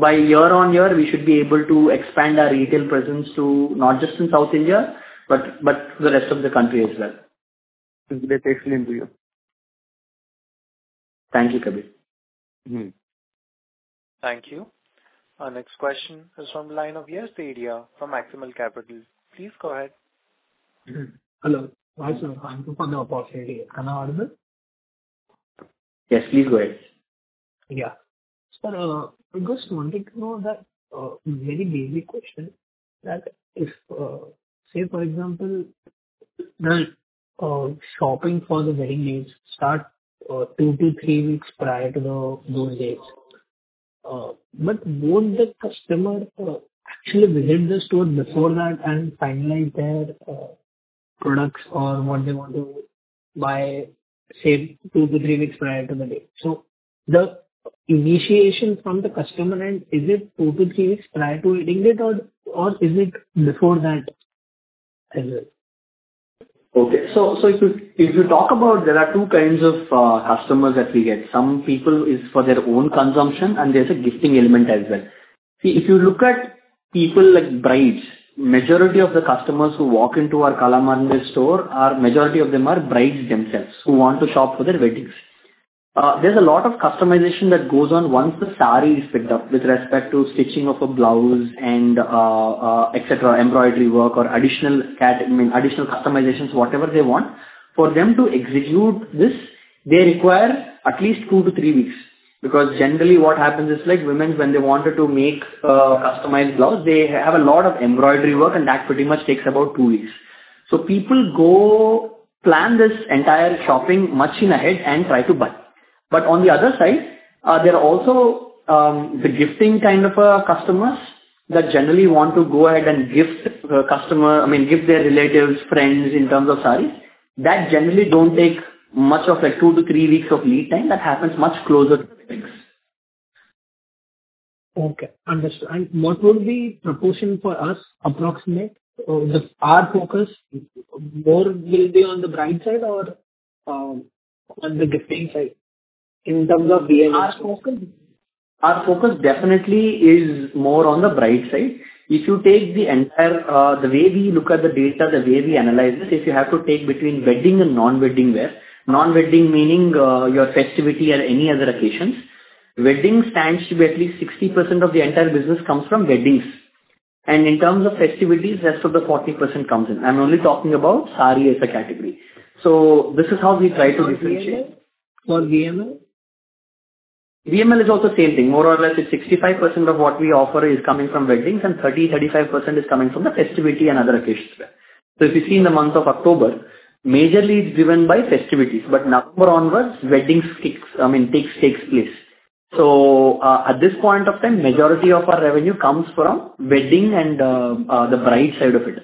C: by year-over-year, we should be able to expand our retail presence to not just in South India, but the rest of the country as well.
H: That's excellent to hear.
C: Thank you, Kabir. Mm-hmm.
A: Thank you. Our next question is from the line of Yash Kedia from Maximal Capital. Please go ahead.
N: Mm-hmm. Hello. Hi, sir, I'm from the part of India. Am I audible?
C: Yes, please go ahead.
N: Yeah. Sir, I just wanted to know that, very basic question, that if, say, for example, the shopping for the wedding days start, 2-3 weeks prior to the, those dates. But won't the customer actually visit the store before that and finalize their products or what they want to buy, say, 2-3 weeks prior to the date? So the initiation from the customer end, is it 2-3 weeks prior to wedding date or, or is it before that as well?
C: Okay. So if you talk about, there are two kinds of customers that we get. Some people is for their own consumption, and there's a gifting element as well. See, if you look at people like brides, majority of the customers who walk into our Kalamandir store are, majority of them are brides themselves, who want to shop for their weddings. There's a lot of customization that goes on once the saree is picked up, with respect to stitching of a blouse and, et cetera, embroidery work or additional cat- I mean, additional customizations, whatever they want. For them to execute this, they require at least 2-3 weeks. Because generally, what happens is, like, women, when they wanted to make a customized blouse, they have a lot of embroidery work, and that pretty much takes about 2 weeks. So people go plan this entire shopping much in ahead and try to buy. But on the other side, there are also the gifting kind of customers that generally want to go ahead and gift the customer. I mean, gift their relatives, friends, in terms of sarees. That generally don't take much of a 2-3 weeks of lead time. That happens much closer to the weddings.
N: Okay, understood. And what will be the proportion for us, approximate? Our focus more will be on the bride side or on the gifting side, in terms of being our focus?
C: ...Our focus definitely is more on the bride side. If you take the entire, the way we look at the data, the way we analyze it, if you have to take between wedding and non-wedding wear. Non-wedding, meaning, your festivity or any other occasions. Wedding stands to be at least 60% of the entire business comes from weddings. And in terms of festivities, rest of the 40% comes in. I'm only talking about sari as a category. So this is how we try to differentiate.
N: For VML?
C: VML is also same thing. More or less, it's 65% of what we offer is coming from weddings, and 30-35% is coming from the festivity and other occasions wear. So if you see in the month of October, majorly it's driven by festivities, but November onwards, weddings kicks, I mean, takes place. So, at this point of time, majority of our revenue comes from wedding and the bride side of it.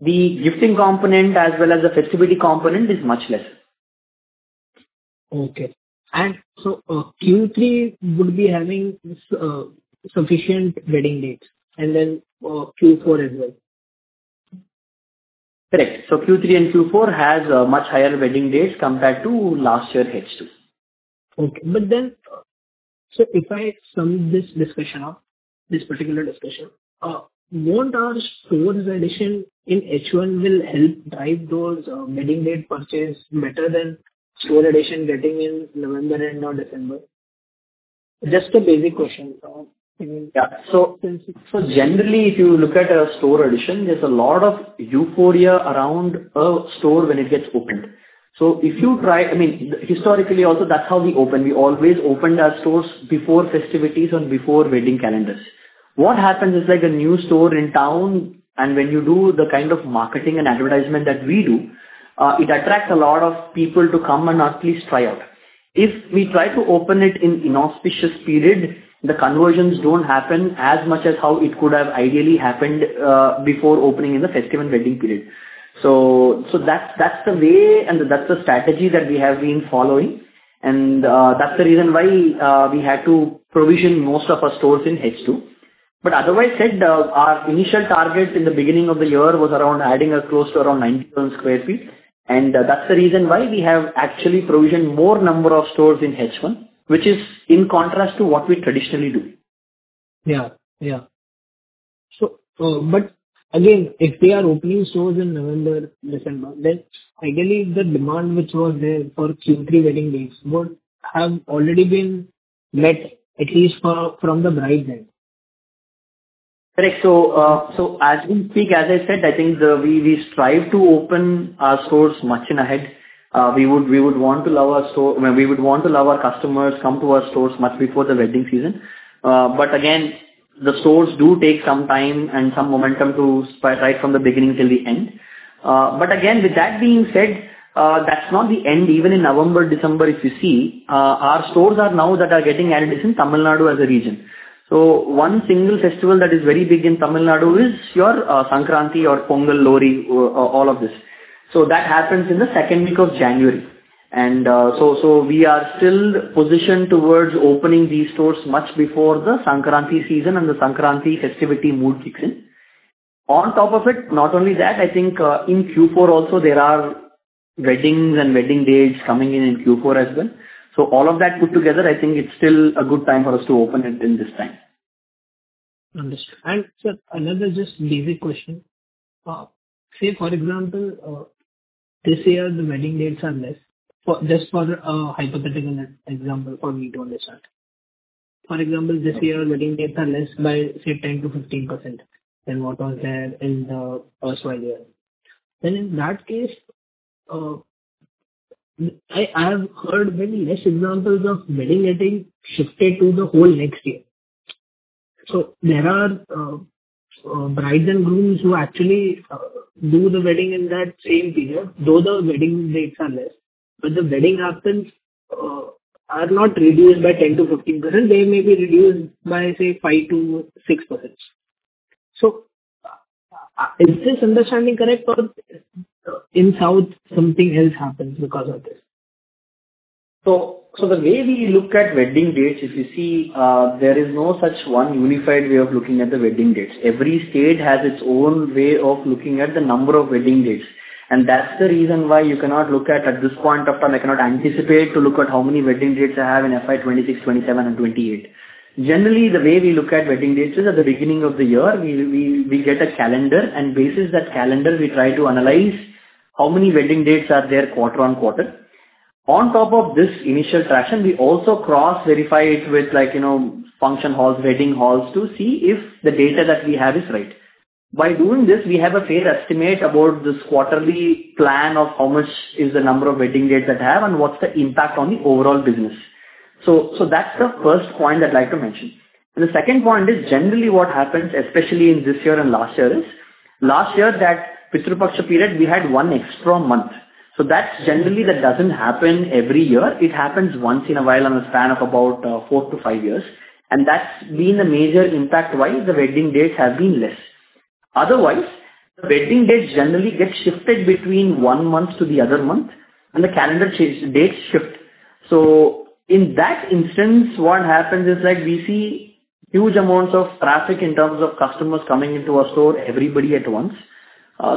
C: The gifting component, as well as the festivity component, is much less.
N: Okay. And so, Q3 would be having sufficient wedding dates and then Q4 as well?
C: Correct. So Q3 and Q4 has a much higher wedding dates compared to last year, H2.
N: Okay. If I sum this discussion up, this particular discussion, won't our stores addition in H1 will help drive those wedding date purchase better than store addition getting in November and/or December? Just a basic question.
C: Yeah. So, generally, if you look at a store addition, there's a lot of euphoria around a store when it gets opened. So if you try... I mean, historically also, that's how we open. We always opened our stores before festivities and before wedding calendars. What happens is, like, a new store in town, and when you do the kind of marketing and advertisement that we do, it attracts a lot of people to come and at least try out. If we try to open it in an inauspicious period, the conversions don't happen as much as how it could have ideally happened before opening in the festive and wedding period. So, that's the way and that's the strategy that we have been following, and that's the reason why we had to provision most of our stores in H2. But otherwise said, our initial targets in the beginning of the year was around adding a close to around 90,000 sq ft. And that's the reason why we have actually provisioned more number of stores in H1, which is in contrast to what we traditionally do.
N: Yeah. Yeah. So, but again, if we are opening stores in November, December, then ideally, the demand which was there for Q3 wedding dates would have already been met, at least from the bride side.
C: Correct. So, so as we speak, as I said, I think, we, we strive to open our stores much in ahead. We would, we would want to allow our store... We would want to allow our customers come to our stores much before the wedding season. But again, the stores do take some time and some momentum to spur right from the beginning till the end. But again, with that being said, that's not the end. Even in November, December, if you see, our stores are now that are getting added is in Tamil Nadu as a region. So one single festival that is very big in Tamil Nadu is your, Sankranti or Pongal, Lohri, all of this. So that happens in the second week of January. So we are still positioned towards opening these stores much before the Sankranti season and the Sankranti festivity mood kicks in. On top of it, not only that, I think in Q4 also, there are weddings and wedding dates coming in in Q4 as well. So all of that put together, I think it's still a good time for us to open it in this time.
N: Understood. Sir, another just basic question. Say, for example, this year the wedding dates are less, just for a hypothetical example for me to understand. For example, this year, wedding dates are less by, say, 10%-15% than what was there in the first five year. Then in that case, I have heard many less examples of wedding getting shifted to the whole next year. So there are, brides and grooms who actually, do the wedding in that same period, though the wedding dates are less, but the wedding happens, are not reduced by 10%-15%. They may be reduced by, say, 5%-6%. So, is this understanding correct, or in South, something else happens because of this?
C: So, the way we look at wedding dates, if you see, there is no such one unified way of looking at the wedding dates. Every state has its own way of looking at the number of wedding dates, and that's the reason why you cannot look at, at this point of time, I cannot anticipate to look at how many wedding dates I have in FY2026, 2027 and 2028. Generally, the way we look at wedding dates is at the beginning of the year, we get a calendar, and based on that calendar, we try to analyze how many wedding dates are there quarter on quarter. On top of this initial traction, we also cross-verify it with, like, you know, function halls, wedding halls, to see if the data that we have is right. By doing this, we have a fair estimate about this quarterly plan of how much is the number of wedding dates that I have and what's the impact on the overall business. So that's the first point I'd like to mention. The second point is, generally what happens, especially in this year and last year, is last year, that Pitru Paksha period, we had one extra month. So that's generally that doesn't happen every year. It happens once in a while on a span of about four to five years, and that's been the major impact why the wedding dates have been less. Otherwise, the wedding dates generally get shifted between one month to the other month, and the calendar dates shift. So in that instance, what happens is that we see huge amounts of traffic in terms of customers coming into our store, everybody at once.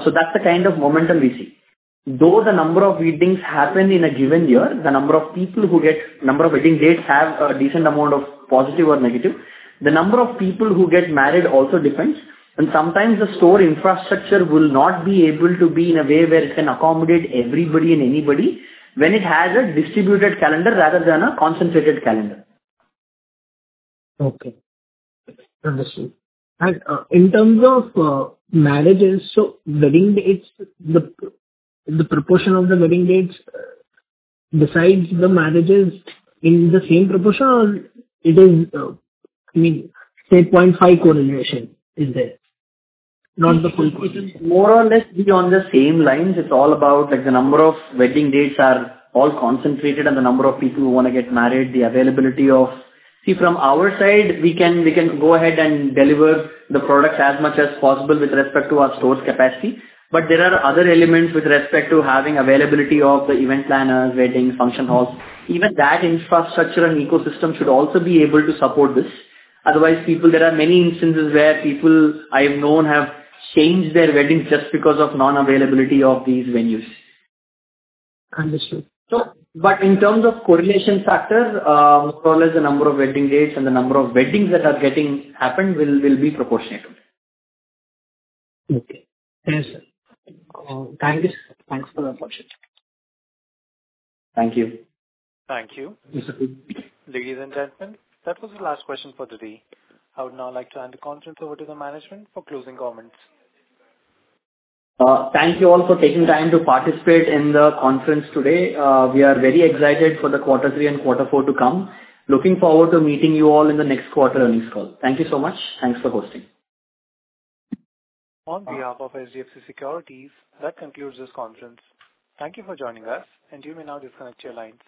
C: So that's the kind of momentum we see. Though the number of weddings happened in a given year, the number of people who get, number of wedding dates have a decent amount of positive or negative. The number of people who get married also depends, and sometimes the store infrastructure will not be able to be in a way where it can accommodate everybody and anybody when it has a distributed calendar rather than a concentrated calendar.
N: Okay, understood. And, in terms of, marriages, so wedding dates, the proportion of the wedding dates, besides the marriages in the same proportion, it is, I mean, say, point high correlation, is there? Not the full correlation.
C: More or less be on the same lines. It's all about, like, the number of wedding dates are all concentrated on the number of people who wanna get married, the availability of... See, from our side, we can, we can go ahead and deliver the products as much as possible with respect to our storage capacity, but there are other elements with respect to having availability of the event planners, wedding function halls. Even that infrastructure and ecosystem should also be able to support this. Otherwise, people, there are many instances where people I have known have changed their weddings just because of non-availability of these venues.
N: Understood.
C: But in terms of correlation factor, more or less, the number of wedding dates and the number of weddings that are getting happened will be proportionate.
N: Okay. Yes, sir. Thank you, sir. Thanks for the opportunity.
C: Thank you.
A: Thank you.
N: Yes, sir.
A: Ladies and gentlemen, that was the last question for today. I would now like to hand the conference over to the management for closing comments.
C: Thank you all for taking time to participate in the conference today. We are very excited for the Quarter Three and Quarter Four to come. Looking forward to meeting you all in the next quarter earnings call. Thank you so much. Thanks for hosting.
A: On behalf of HDFC Securities, that concludes this conference. Thank you for joining us, and you may now disconnect your lines.